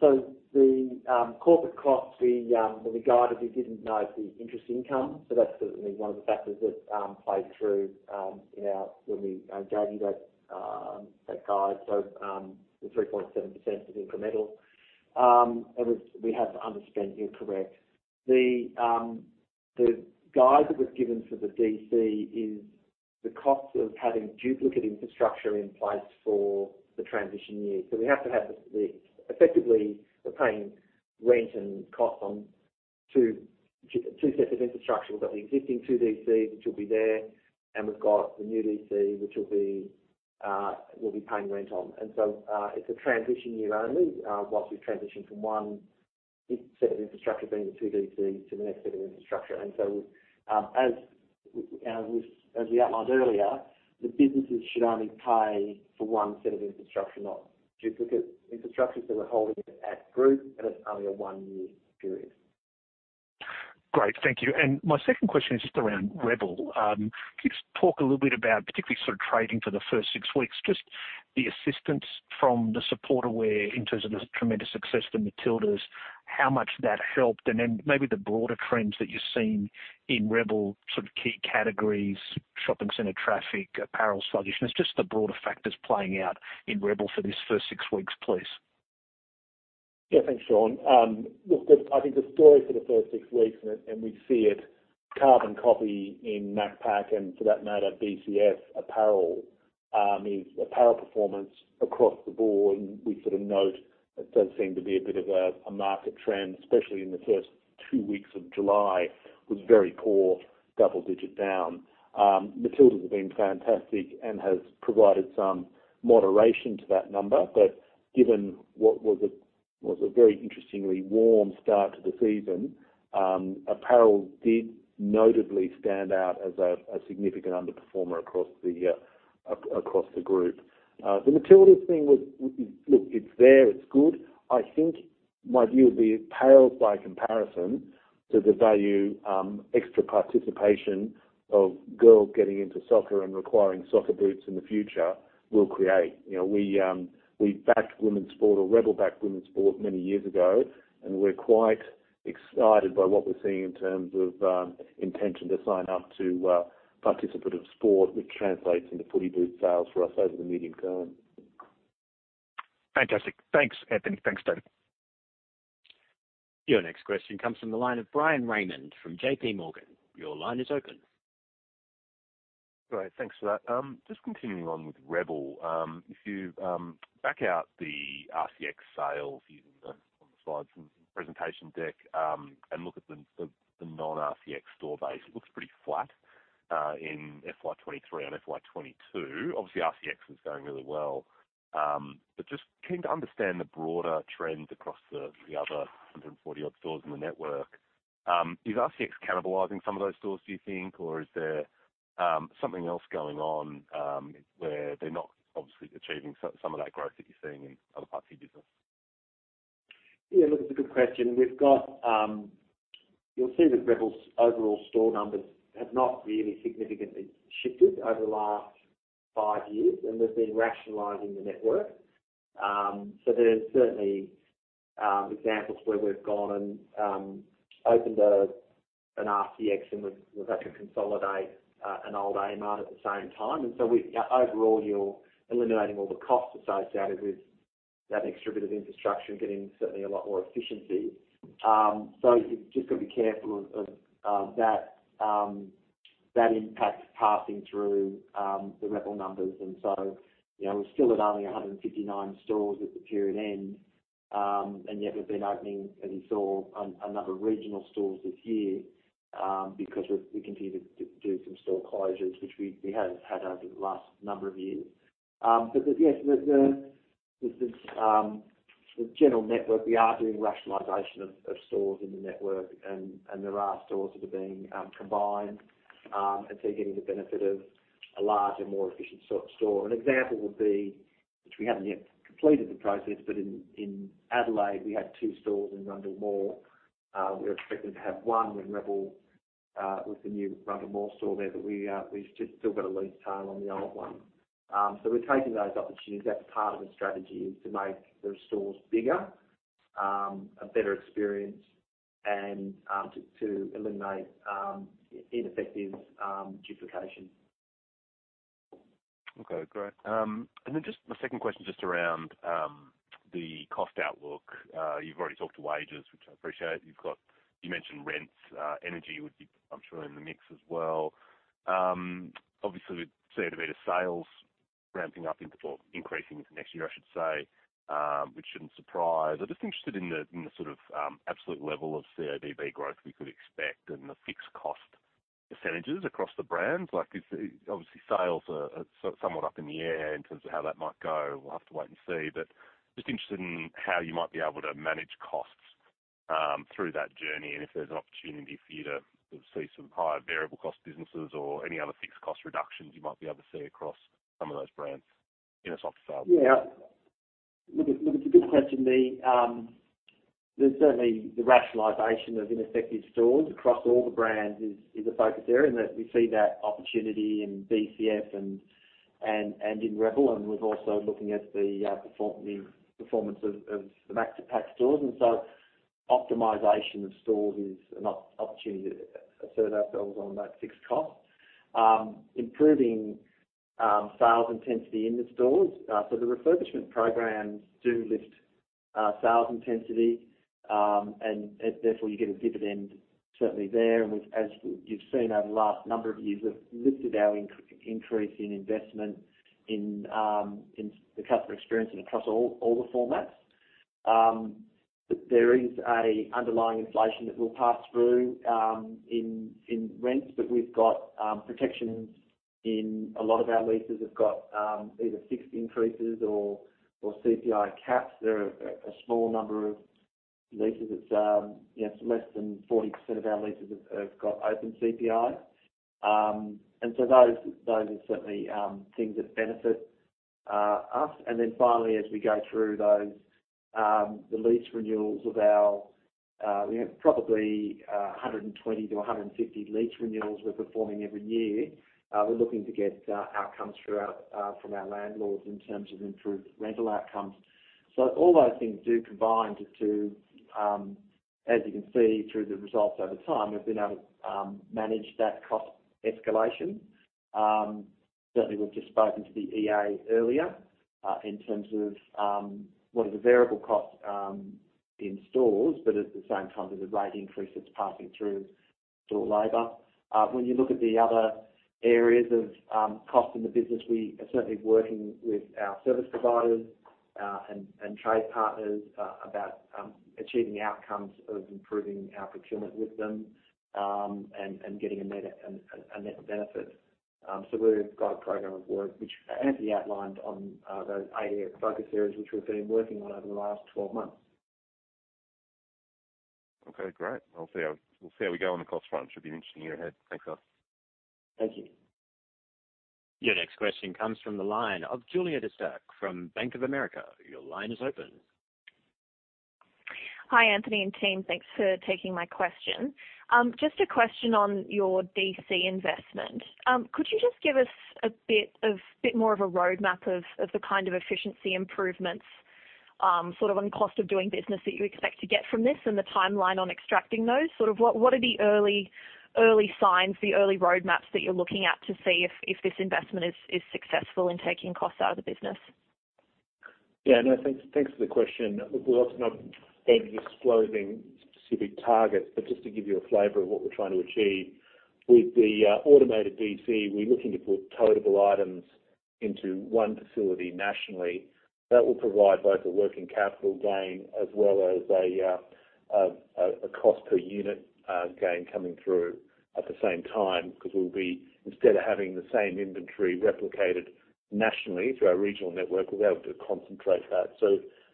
The corporate cost, the well, the guide as we didn't note the interest income, that's certainly one of the factors that played through in our, when we gave you that, that guide. The 3.7% is incremental. We have underspent, you're correct. The guide that was given for the DC is the cost of having duplicate infrastructure in place for the transition year. We have to have the, effectively, we're paying rent and costs on two, two sets of infrastructure. We've got the existing two DCs, which will be there, and we've got the new DC, which will be, we'll be paying rent on. It's a transition year only, whilst we transition from one set of infrastructure, being the two DCs, to the next set of infrastructure. As we outlined earlier, the businesses should only pay for one set of infrastructure, not duplicate infrastructure. We're holding it at group, and it's only a one-year period. Great. Thank you. My second question is just around Rebel. Can you just talk a little bit about particularly sort of trading for the first six weeks, just the assistance from the supporter wear in terms of the tremendous success for Matildas, how much that helped? Then maybe the broader trends that you're seeing in Rebel, sort of key categories, shopping center traffic, apparel solutions, just the broader factors playing out in Rebel for this first six weeks, please? Yeah, thanks, Shaun. I think the story for the first six weeks, we see it, carbon copy in Macpac, and for that matter, BCF apparel, is apparel performance across the board. We sort of note it does seem to be a bit of a market trend, especially in the first two weeks of July, was very poor, double-digit down. Matildas have been fantastic and has provided some moderation to that number. Given what was a very interestingly warm start to the season, apparel did notably stand out as a significant underperformer across the group. The Matildas thing was, it's there, it's good. I think my view would be it pales by comparison to the value, extra participation of girls getting into soccer and requiring soccer boots in the future will create. You know, we, we backed women's sport or Rebel backed women's sport many years ago, and we're quite excited by what we're seeing in terms of, intention to sign up to, participative sport, which translates into footy boot sales for us over the medium term. Fantastic. Thanks, Anthony. Thanks, David. Your next question comes from the line of Bryan Raymond from JPMorgan. Your line is open. Great, thanks for that. Just continuing on with Rebel, if you back out the rCX sales using the, on the slides from the presentation deck, and look at the non-rCX store base, it looks pretty flat in FY 2023 and FY 2022. Obviously, rCX is going really well, but just keen to understand the broader trend across the other 140 odd stores in the network. Is rCX cannibalizing some of those stores, do you think, or is there something else going on, where they're not obviously achieving some of that growth that you're seeing in other parts of your business? Yeah, look, it's a good question. We've got, you'll see that Rebel's overall store numbers have not really significantly shifted over the last five years, and we've been rationalizing the network. There's certainly examples where we've gone and opened a, an rCX, and we've, we've had to consolidate an old Kmart at the same time. Overall, you're eliminating all the costs associated with that extra bit of infrastructure and getting certainly a lot more efficiency. You've just got to be careful of, of that, that impact passing through the Rebel numbers. You know, we're still at only 159 stores at the period end, and yet we've been opening, as you saw, a number of regional stores this year, because we continue to do some store closures, which we have had over the last number of years. Yes, there's a, the general network, we are doing rationalization of stores in the network, and there are stores that are being combined, you're getting the benefit of a larger, more efficient store. An example would be, which we haven't yet completed the process, but in Adelaide, we had two stores in Rundle Mall. We're expecting to have one with Rebel, with the new Rundle Mall store there, but we've just still got a lease tail on the old one. We're taking those opportunities. That's part of the strategy is to make the stores bigger, a better experience, and to, to eliminate, ineffective duplication. Okay, great. Then just my second question, just around the cost outlook. You've already talked to wages, which I appreciate. You mentioned rents, energy would be, I'm sure, in the mix as well. Obviously, we've seen a bit of sales ramping up into, or increasing into next year, I should say, which shouldn't surprise. I'm just interested in the, in the sort of, absolute level of CODB growth we could expect and the fixed cost percentages across the brands. Like, obviously, sales are somewhat up in the air in terms of how that might go. We'll have to wait and see, but just interested in how you might be able to manage costs through that journey, and if there's an opportunity for you to see some higher variable cost businesses or any other fixed cost reductions you might be able to see across some of those brands in a softer sale? Look, it's a good question, the, there's certainly the rationalization of ineffective stores across all the brands is, is a focus area, we see that opportunity in BCF and in Rebel, we're also looking at the performance of the Macpac stores. So optimization of stores is an opportunity to assert ourselves on that fixed cost. Improving sales intensity in the stores. So the refurbishment programs do lift sales intensity, therefore, you get a dividend certainly there. As you've seen over the last number of years, we've lifted our increase in investment in the customer experience and across all the formats. There is a underlying inflation that will pass through in rents, but we've got protections in a lot of our leases. We've got either fixed increases or CPI caps. There are a small number of leases it's, you know, less than 40% of our leases have got open CPI. So those, those are certainly things that benefit us. Then finally, as we go through those the lease renewals of our, you know, probably 120 to 150 lease renewals we're performing every year, we're looking to get outcomes through our from our landlords in terms of improved rental outcomes. All those things do combine to, as you can see through the results over time, we've been able manage that cost escalation. Certainly, we've just spoken to the EA earlier, in terms of what are the variable costs in stores, but at the same time, there's a rate increase that's passing through store labor. When you look at the other areas of cost in the business, we are certainly working with our service providers and trade partners about achieving outcomes of improving our procurement with them and getting a net benefit. We've got a program of work which Anthony outlined on those eight focus areas, which we've been working on over the last 12 months. Okay, great. We'll see how, we'll see how we go on the cost front. Should be interesting year ahead. Thanks, guys. Thank you. Your next question comes from the line of Juliet Starke from Bank of America. Your line is open. Hi, Anthony and team. Thanks for taking my question. Just a question on your DC investment. Could you just give us a bit more of a roadmap of the kind of efficiency improvements on Cost of Doing Business that you expect to get from this, and the timeline on extracting those? What are the early signs, the early roadmaps that you're looking at to see if this investment is successful in taking costs out of the business? Thanks, thanks for the question. We're obviously not going to be disclosing specific targets, but just to give you a flavor of what we're trying to achieve. With the automated DC, we're looking to put totable items into one facility nationally. That will provide both a working capital gain as well as a cost per unit gain coming through at the same time, because we'll be, instead of having the same inventory replicated nationally through our regional network, we'll be able to concentrate that.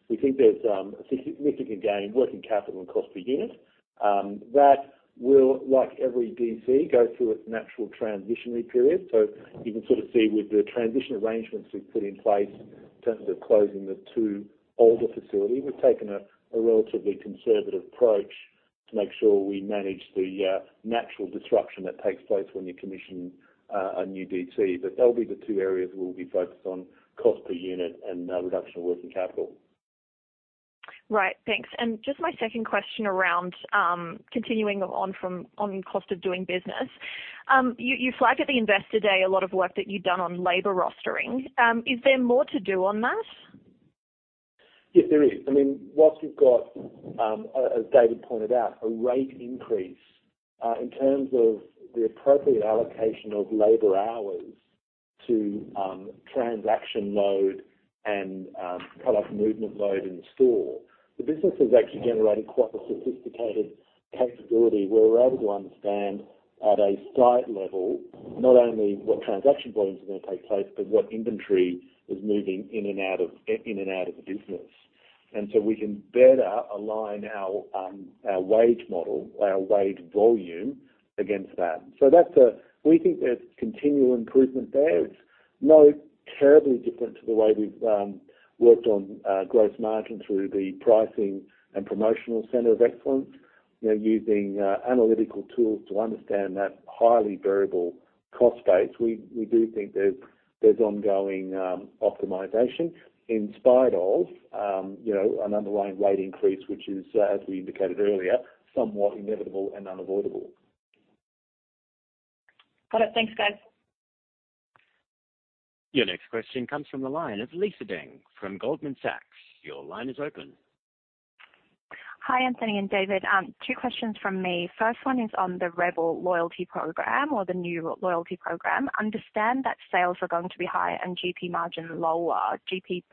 We think there's a significant gain in working capital and cost per unit that will, like every DC, go through its natural transitionary period. You can sort of see with the transition arrangements we've put in place in terms of closing the two older facilities, we've taken a relatively conservative approach to make sure we manage the natural disruption that takes place when you commission a new DC. That'll be the two areas we'll be focused on: cost per unit and reduction in working capital. Right. Thanks. Just my second question around, continuing on from, on cost of doing business. You, you flagged at the Investor Day a lot of work that you've done on labor rostering. Is there more to do on that? Yes, there is. I mean, whilst we've got, as David pointed out, a rate increase, in terms of the appropriate allocation of labor hours to transaction load and product movement load in the store, the business has actually generated quite a sophisticated capability where we're able to understand at a site level, not only what transaction volumes are going to take place, but what inventory is moving in and out of the business. So we can better align our, our wage model, our wage volume against that. That's a- we think there's continual improvement there. It's no terribly different to the way we've worked on, gross margin through the Pricing and Promotional Center of Excellence. We're using analytical tools to understand that highly variable cost base. We, we do think there's, there's ongoing optimization in spite of, you know, an underlying rate increase, which is, as we indicated earlier, somewhat inevitable and unavoidable. Got it. Thanks, guys. Your next question comes from the line of Lisa Deng from Goldman Sachs. Your line is open. Hi, Anthony and David. Two questions from me. First one is on the Rebel loyalty program or the new loyalty program. I understand that sales are going to be higher and GP margin lower, GP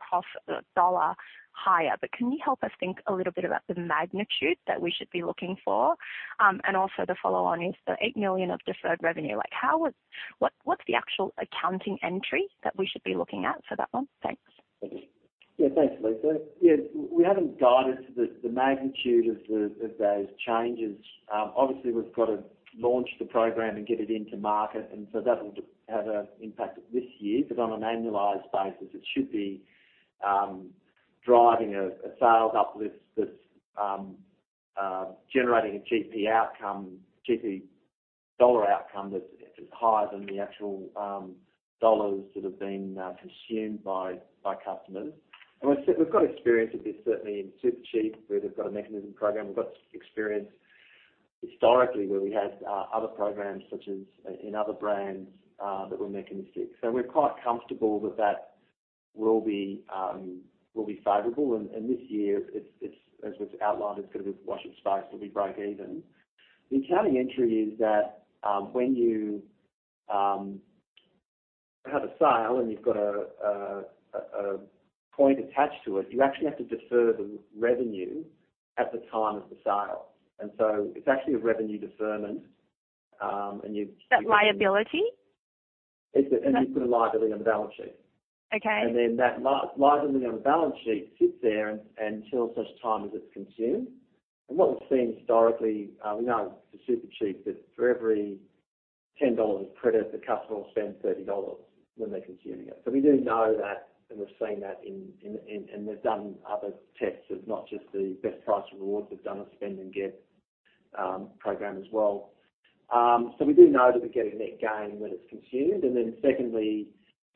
dollar higher. Can you help us think a little bit about the magnitude that we should be looking for? Also the follow-on is the 8 million of deferred revenue. Like, what's the actual accounting entry that we should be looking at for that one? Thanks. Thanks, Lisa. We haven't guided the magnitude of those changes. Obviously, we've got to launch the program and get it into market, and so that'll have an impact this year, but on an annualized basis, it should be driving a sales uplift that's generating a GP outcome, GP dollar outcome that's higher than the actual dollars that have been consumed by customers. We've, we've got experience with this, certainly in Supercheap, where they've got a mechanism program. We've got experience historically, where we had other programs, such as in other brands, that were mechanistic. We're quite comfortable that that will be favorable. This year, it's, as was outlined, it's gonna be wash of space, it'll be break even. The accounting entry is that, when you have a sale and you've got a, a, a point attached to it, you actually have to defer the revenue at the time of the sale. It's actually a revenue deferment, and you. Is that liability? It's. You put a liability on the balance sheet. Okay. That liability on the balance sheet sits there until such time as it's consumed. What we've seen historically, we know for Supercheap that for every 10 dollars of credit, the customer will spend 30 dollars when they're consuming it. We do know that, and we've seen that in, and we've done other tests of not just the Best Price Credit, we've done a spend and gift program as well. We do know that we get a net gain when it's consumed. Secondly,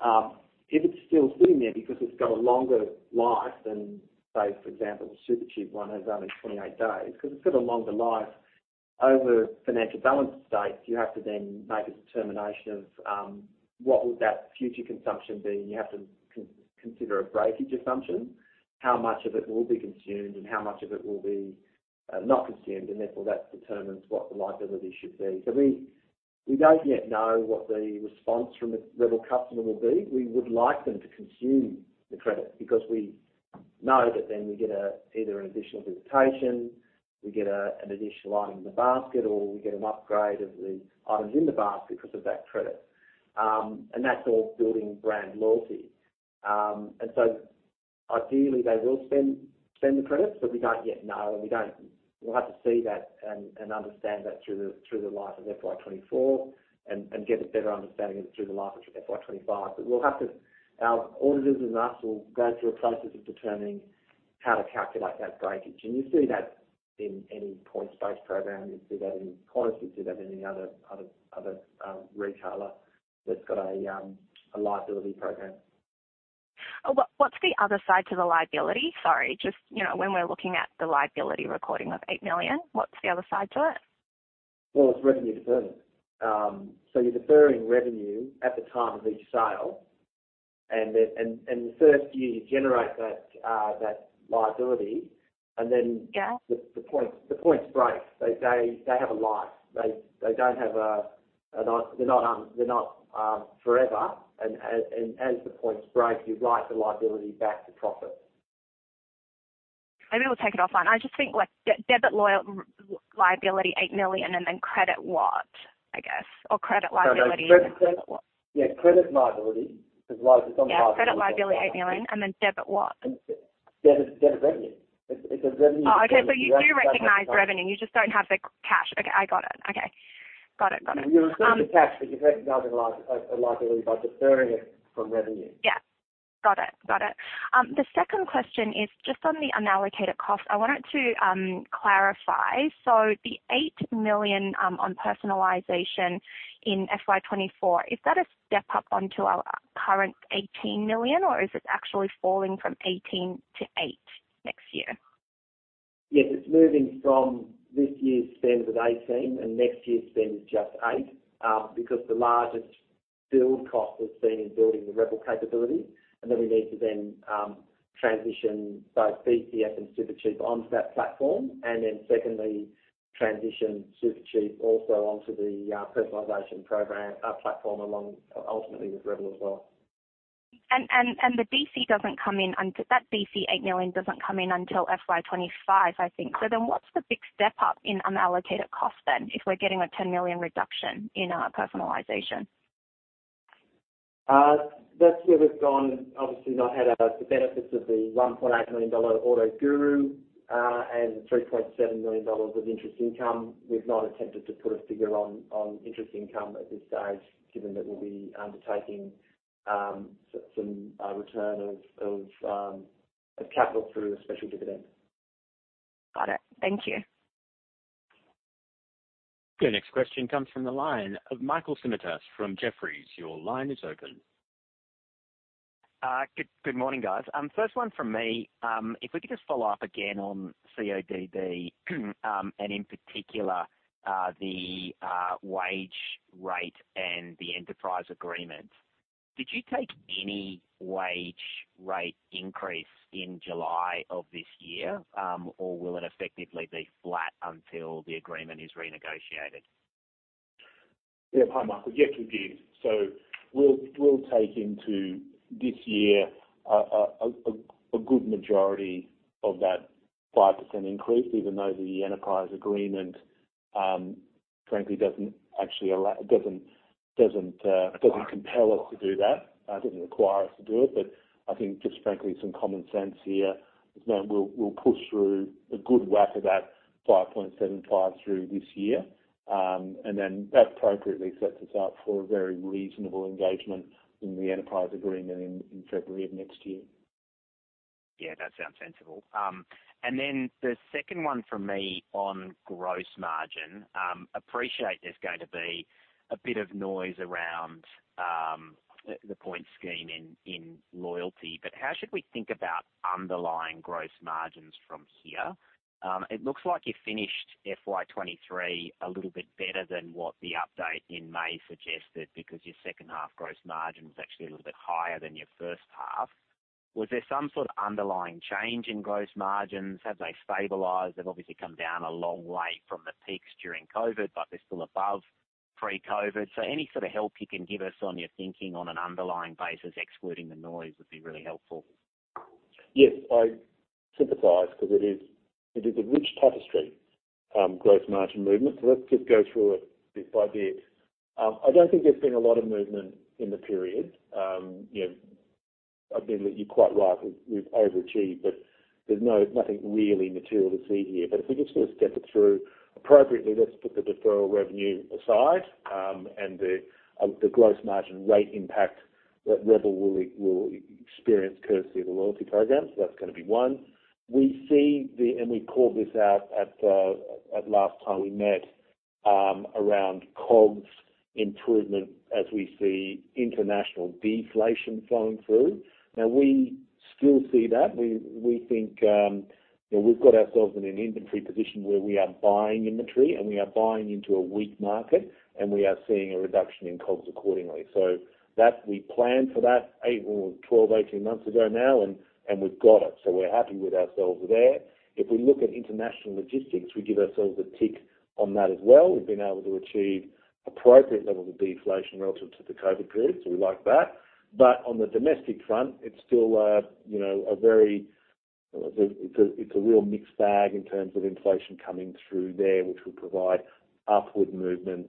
if it's still sitting there because it's got a longer life than, say, for example, the Supercheap one has only 28 days, 'cause it's got a longer life over financial balance date, you have to then make a determination of what would that future consumption be, and you have to consider a breakage assumption, how much of it will be consumed and how much of it will be not consumed, and therefore, that determines what the liability should be. We, we don't yet know what the response from the Rebel customer will be. We would like them to consume the credit, because we know that then we get a, either an additional visitation, we get an additional item in the basket, or we get an upgrade of the items in the basket because of that credit. That's all building brand loyalty. So ideally, they will spend, spend the credits, but we don't yet know. We'll have to see that and understand that through the life of FY 2024 and get a better understanding of it through the life of FY 2025. Our auditors and us will go through a process of determining how to calculate that breakage. You see that in any points-based program. You see that in Qantas, you see that in any other, other, other retailer that's got a liability program. What, what's the other side to the liability? Sorry, just, you know, when we're looking at the liability recording of 8 million, what's the other side to it? Well, it's revenue deferment. You're deferring revenue at the time of each sale, and then the first year you generate that, that liability, and then... Yes. The points break. They, they have a life. They're not, they're not forever. As the points break, you write the liability back to profit. Maybe we'll take it offline. I just think, like, debit liability, 8 million, and then credit what? I guess, or credit liability... Yeah, credit liability, because liability... Yeah, credit liability, 8 million, and then debit what? Deb, debit revenue. It's a revenue... Oh, okay. You do recognize revenue, you just don't have the cash. Okay, I got it. Okay. Got it. Got it. You receive the cash, but you've recognized a liability by deferring it from revenue. Yeah. Got it. Got it. The second question is just on the unallocated cost. I wanted to clarify. The 8 million on personalization in FY 2024, is that a step up onto our current 18 million, or is it actually falling from 18 to 8 million next year? Yes, it's moving from this year's spend of 18, and next year's spend is just 8, because the largest build cost we've seen in building the Rebel capability, and then we need to then, transition both BCF and Supercheap onto that platform, and then secondly, transition Supercheap also onto the personalization program, platform along, ultimately with Rebel as well. That BC 8 million doesn't come in until FY 2025, I think. Then what's the big step up in unallocated cost then, if we're getting a 10 million reduction in our personalization? That year we've gone, obviously not had, the benefits of the 1.8 million dollar AutoGuru, and 3.7 million dollars of interest income. We've not attempted to put a figure on, on interest income at this stage, given that we'll be undertaking, some, return of capital through a special dividend. Got it. Thank you. The next question comes from the line of Michael Simotas from Jefferies. Your line is open. Good, good morning, guys. First one from me. If we could just follow up again on CODB, in particular, the wage rate and the enterprise agreement. Did you take any wage rate increase in July of this year? Will it effectively be flat until the agreement is renegotiated? Yeah. Hi, Michael. Yeah, good news. We'll, we'll take into this year a good majority of that 5% increase, even though the enterprise agreement, frankly, doesn't actually allow, doesn't compel us to do that, doesn't require us to do it. I think just frankly, some common sense here, is know we'll, we'll push through a good whack of that 5.75% through this year. Then that appropriately sets us up for a very reasonable engagement in the enterprise agreement in February of next year. Yeah, that sounds sensible. Then the second one for me on gross margin, appreciate there's going to be a bit of noise around the, the points scheme in, in loyalty, but how should we think about underlying gross margins from here? It looks like you finished FY 2023 a little bit better than what the update in May suggested, because your second half gross margin was actually a little bit higher than your first half. Was there some sort of underlying change in gross margins? Have they stabilized? They've obviously come down a long way from the peaks during COVID, but they're still above pre-COVID. Any sort of help you can give us on your thinking on an underlying basis, excluding the noise, would be really helpful. Yes, I sympathize because it is, it is a rich tapestry, gross margin movement. Let's just go through it bit by bit. I don't think there's been a lot of movement in the period. you know, I mean, you're quite right, we've overachieved, but there's no, nothing really material to see here. If we just sort of step it through appropriately, let's put the deferral revenue aside, and the, the gross margin rate impact that Rebel will, will experience courtesy of the loyalty program. That's going to be one. We called this out at the, at last time we met, around COGS improvement as we see international deflation flowing through. We still see that. We, we think, you know, we've got ourselves in an inventory position where we are buying inventory, and we are buying into a weak market, and we are seeing a reduction in COGS accordingly. We planned for that eight or 12, 18 months ago now, and, and we've got it, so we're happy with ourselves there. If we look at international logistics, we give ourselves a tick on that as well. We've been able to achieve appropriate levels of deflation relative to the COVID period, so we like that. On the domestic front, it's still a, you know, a very, it's a, it's a real mixed bag in terms of inflation coming through there, which will provide upward movement,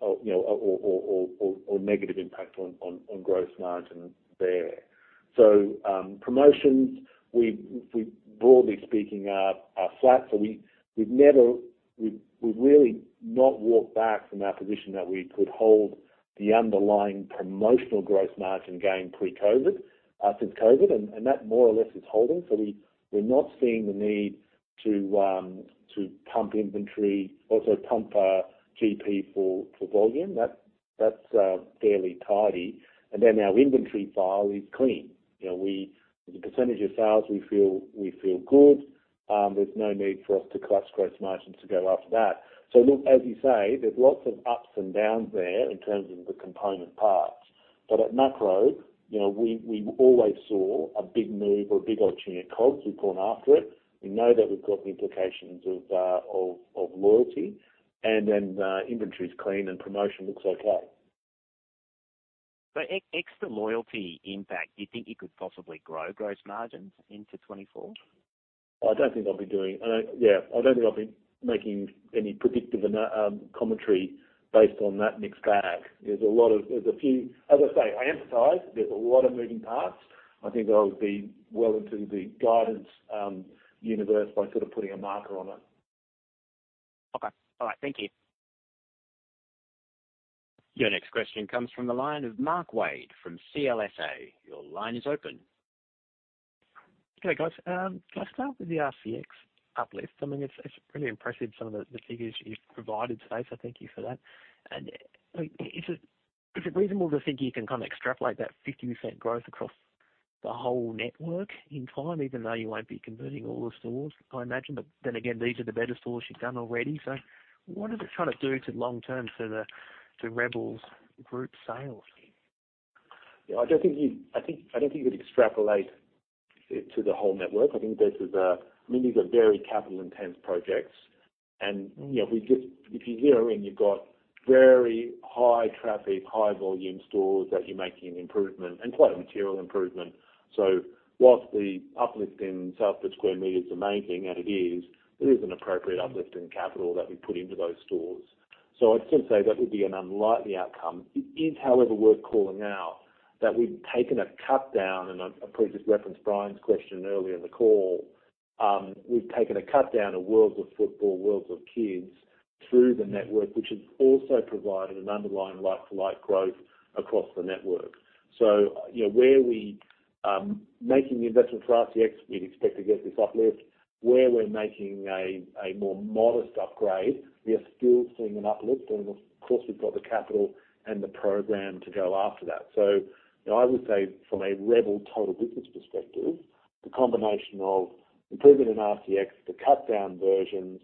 or, you know or negative impact on, on, on gross margin there. Promotions, we, we broadly speaking, are, are flat. We've never-- we've, we've really not walked back from our position that we could hold the underlying promotional gross margin gain pre-COVID since COVID, and that more or less is holding. We're not seeing the need to pump inventory, also pump our GP for volume. That's, that's fairly tidy. Our inventory file is clean. You know, we, the percentage of sales, we feel, we feel good. There's no need for us to crush gross margins to go after that. Look, as you say, there's lots of ups and downs there in terms of the component parts. At macro, you know, we, we always saw a big move or a big opportunity at COGS. We've gone after it. We know that we've got the implications of, of, of loyalty, and then, inventory is clean and promotion looks okay. Extra loyalty impact, you think you could possibly grow gross margins into FY 2024? I don't think I'll be doing, yeah, I don't think I'll be making any predictive commentary based on that mixed bag. There's a lot of, there's a few, as I say, I emphasize there's a lot of moving parts. I think I would be well into the guidance universe by sort of putting a marker on it. Okay. All right, thank you. Your next question comes from the line of Mark Wade from CLSA. Your line is open. Okay, guys, can I start with the rCX uplift? I mean, it's, it's pretty impressive, some of the figures you've provided today. Thank you for that. Is it, is it reasonable to think you can kind of extrapolate that 50% growth across the whole network in time, even though you won't be converting all the stores, I imagine? These are the better stores you've done already. What is it trying to do to long term to the, to Rebel's group sales? Yeah, I don't think you'd I think, I don't think you'd extrapolate it to the whole network. I think this is a, I mean, these are very capital-intensive projects and, you know, we just if you zero in, you've got very high traffic, high volume stores that you're making an improvement and quite a material improvement. Whilst the uplift in sales per square meter is the main thing, and it is, there is an appropriate uplift in capital that we put into those stores. I'd still say that would be an unlikely outcome. It is, however, worth calling out that we've taken a cut down, and I, I previously referenced Bryan's question earlier in the call. We've taken a cut down of Worlds of Football, Worlds of Kids through the network, which has also provided an underlying like-for-like growth across the network. You know, where we, making the investment for rCX, we'd expect to get this uplift. Where we're making a, a more modest upgrade, we are still seeing an uplift, and of course, we've got the capital and the program to go after that. I would say from a Rebel total business perspective, the combination of improvement in rCX, the cutdown versions,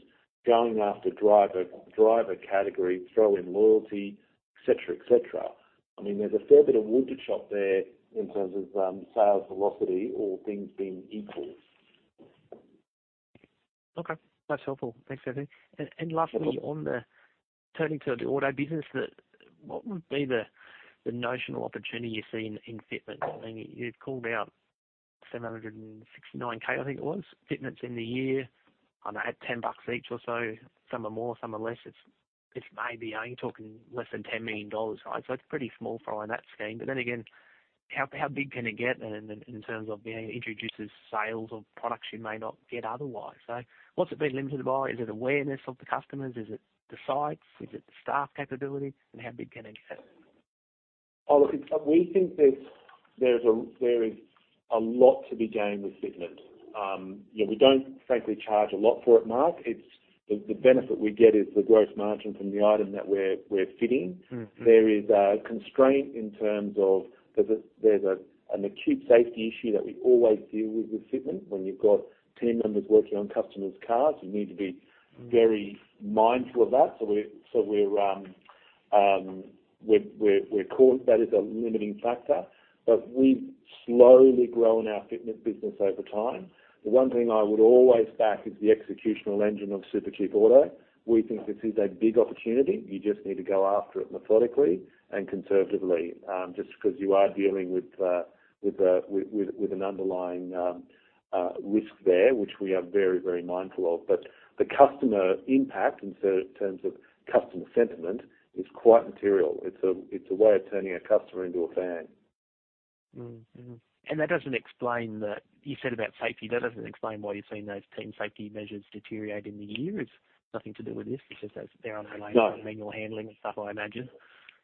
going after driver, driver categories, throw in loyalty, et cetera, et cetera. I mean, there's a fair bit of wood to chop there in terms of, sales velocity, all things being equal. Okay, that's helpful. Thanks, Anthony. Lastly, on the turning to the auto business, what would be the notional opportunity you see in fitment? I mean, you've called out 769K, I think it was, fitments in the year. I know at 10 bucks each or so, some are more, some are less. It's maybe only talking less than 10 million dollars, right? So it's pretty small fry in that scheme. But then again, how big can it get in terms of being introduced as sales of products you may not get otherwise? So what's it been limited by? Is it awareness of the customers? Is it the sites? Is it the staff capability, and how big can it get? Oh, look, we think there's, there's a, there is a lot to be gained with fitment. Yeah, we don't frankly charge a lot for it, Mark. It's the benefit we get is the gross margin from the item that we're fitting. Mm-hmm. There is a constraint in terms of there's a, there's a, an acute safety issue that we always deal with, with fitment. When you've got team members working on customers' cars, you need to be very mindful of that. We're, so we're, we're, we're, we're caught. That is a limiting factor. We've slowly grown our fitment business over time. The one thing I would always back is the executional engine of Supercheap Auto. We think this is a big opportunity. You just need to go after it methodically and conservatively, just because you are dealing with, with a, with, with, with an underlying risk there, which we are very, very mindful of. The customer impact in terms of customer sentiment is quite material. It's a, it's a way of turning a customer into a fan. Mm-hmm. That doesn't explain the... You said about safety, that doesn't explain why you've seen those team safety measures deteriorate in the year. It's nothing to do with this. It's just as they're unrelated... No. Manual handling and stuff, I imagine.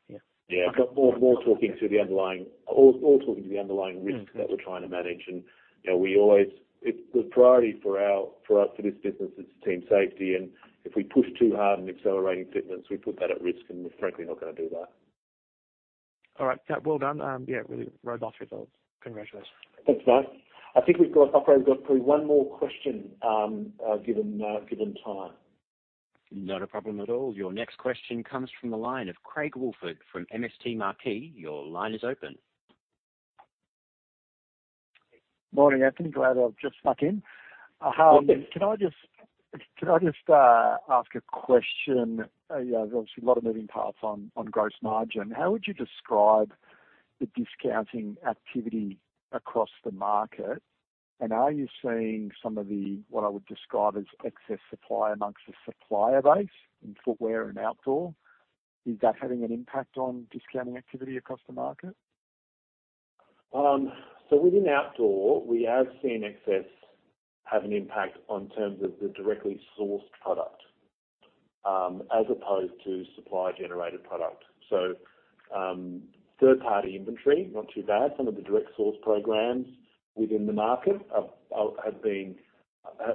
Yeah. Yeah. More, more talking to the underlying, all, all talking to the underlying risks... Mm. That we're trying to manage. You know, we always, it's the priority for our, for us, for this business, it's team safety, and if we push too hard in accelerating fitments, we put that at risk, and we're frankly not going to do that. All right. Yeah, well done. Yeah, really robust results. Congratulations. Thanks, Mark. I think we've got, operator, we've got probably one more question, given time. Not a problem at all. Your next question comes from the line of Craig Woolford from MST Marquee. Your line is open. Morning, Anthony. Glad I've just stuck in. Morning. Can I just, can I just ask a question? There's obviously a lot of moving parts on, on gross margin. How would you describe the discounting activity across the market? Are you seeing some of the, what I would describe as excess supply amongst the supplier base in footwear and outdoor? Is that having an impact on discounting activity across the market? Within outdoor, we have seen excess have an impact on terms of the directly sourced product, as opposed to supplier-generated product. Third-party inventory, not too bad. Some of the direct source programs within the market have been,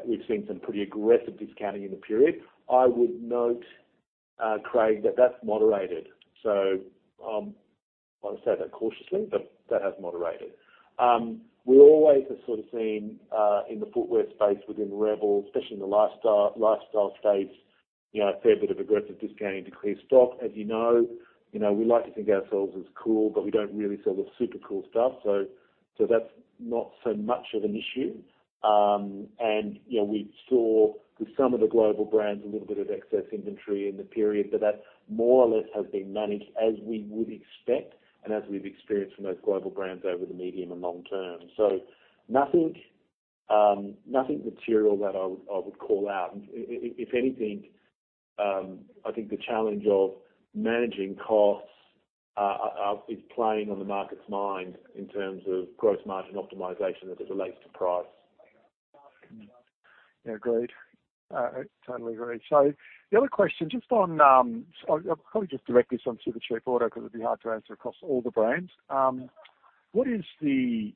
we've seen some pretty aggressive discounting in the period. I would note, Craig, that that's moderated. I want to say that cautiously, but that has moderated. We always have sort of seen in the footwear space within Rebel, especially in the lifestyle stage, you know, a fair bit of aggressive discounting to clear stock, as you know. You know, we like to think of ourselves as cool, but we don't really sell the super cool stuff. That's not so much of an issue. You know, we saw with some of the global brands, a little bit of excess inventory in the period, but that more or less has been managed as we would expect and as we've experienced from those global brands over the medium and long term. Nothing, nothing material that I would, I would call out. If anything, I think the challenge of managing costs is playing on the market's mind in terms of gross margin optimization as it relates to price. Yeah, agreed. I totally agree. The other question, just on, I'll probably just direct this on Supercheap Auto, because it'd be hard to answer across all the brands. What is the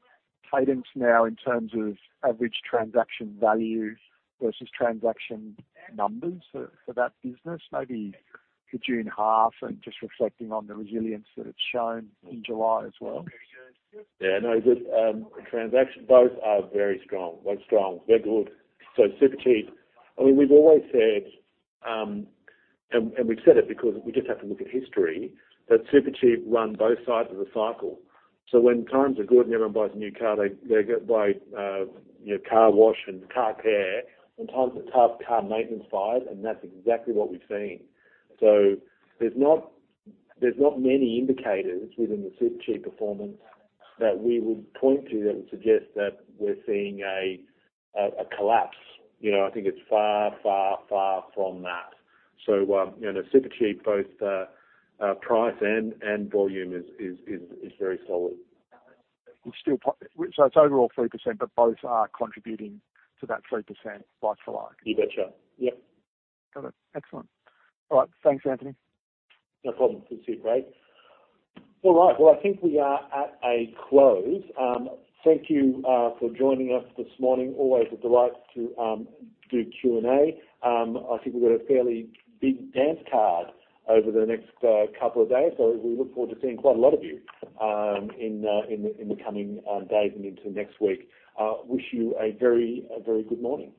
cadence now in terms of average transaction values versus transaction numbers for that business? Maybe for June half and just reflecting on the resilience that it's shown in July as well? Yeah, no, good. Transaction, both are very strong. They're strong. They're good. Supercheap, I mean, we've always said, and, and we've said it because we just have to look at history, that Supercheap run both sides of the cycle. When times are good and everyone buys a new car, they, they go buy, you know, car wash and car care. When times are tough, car maintenance five, and that's exactly what we've seen. There's not, there's not many indicators within the Supercheap performance that we would point to that would suggest that we're seeing a collapse. You know, I think it's far, far, far from that. You know, Supercheap, both, price and, and volume is very solid. It's overall 3%, but both are contributing to that 3% like for like? You betcha. Yep. Got it. Excellent. All right. Thanks, Anthony. No problem. Thanks, Craig. All right. Well, I think we are at a close. Thank you for joining us this morning. Always a delight to do Q&A. I think we've got a fairly big dance card over the next couple of days, so we look forward to seeing quite a lot of you in the coming days and into next week. Wish you a very, a very good morning.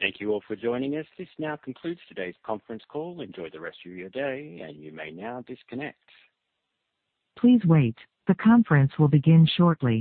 Thank you all for joining us. This now concludes today's conference call. Enjoy the rest of your day, and you may now disconnect.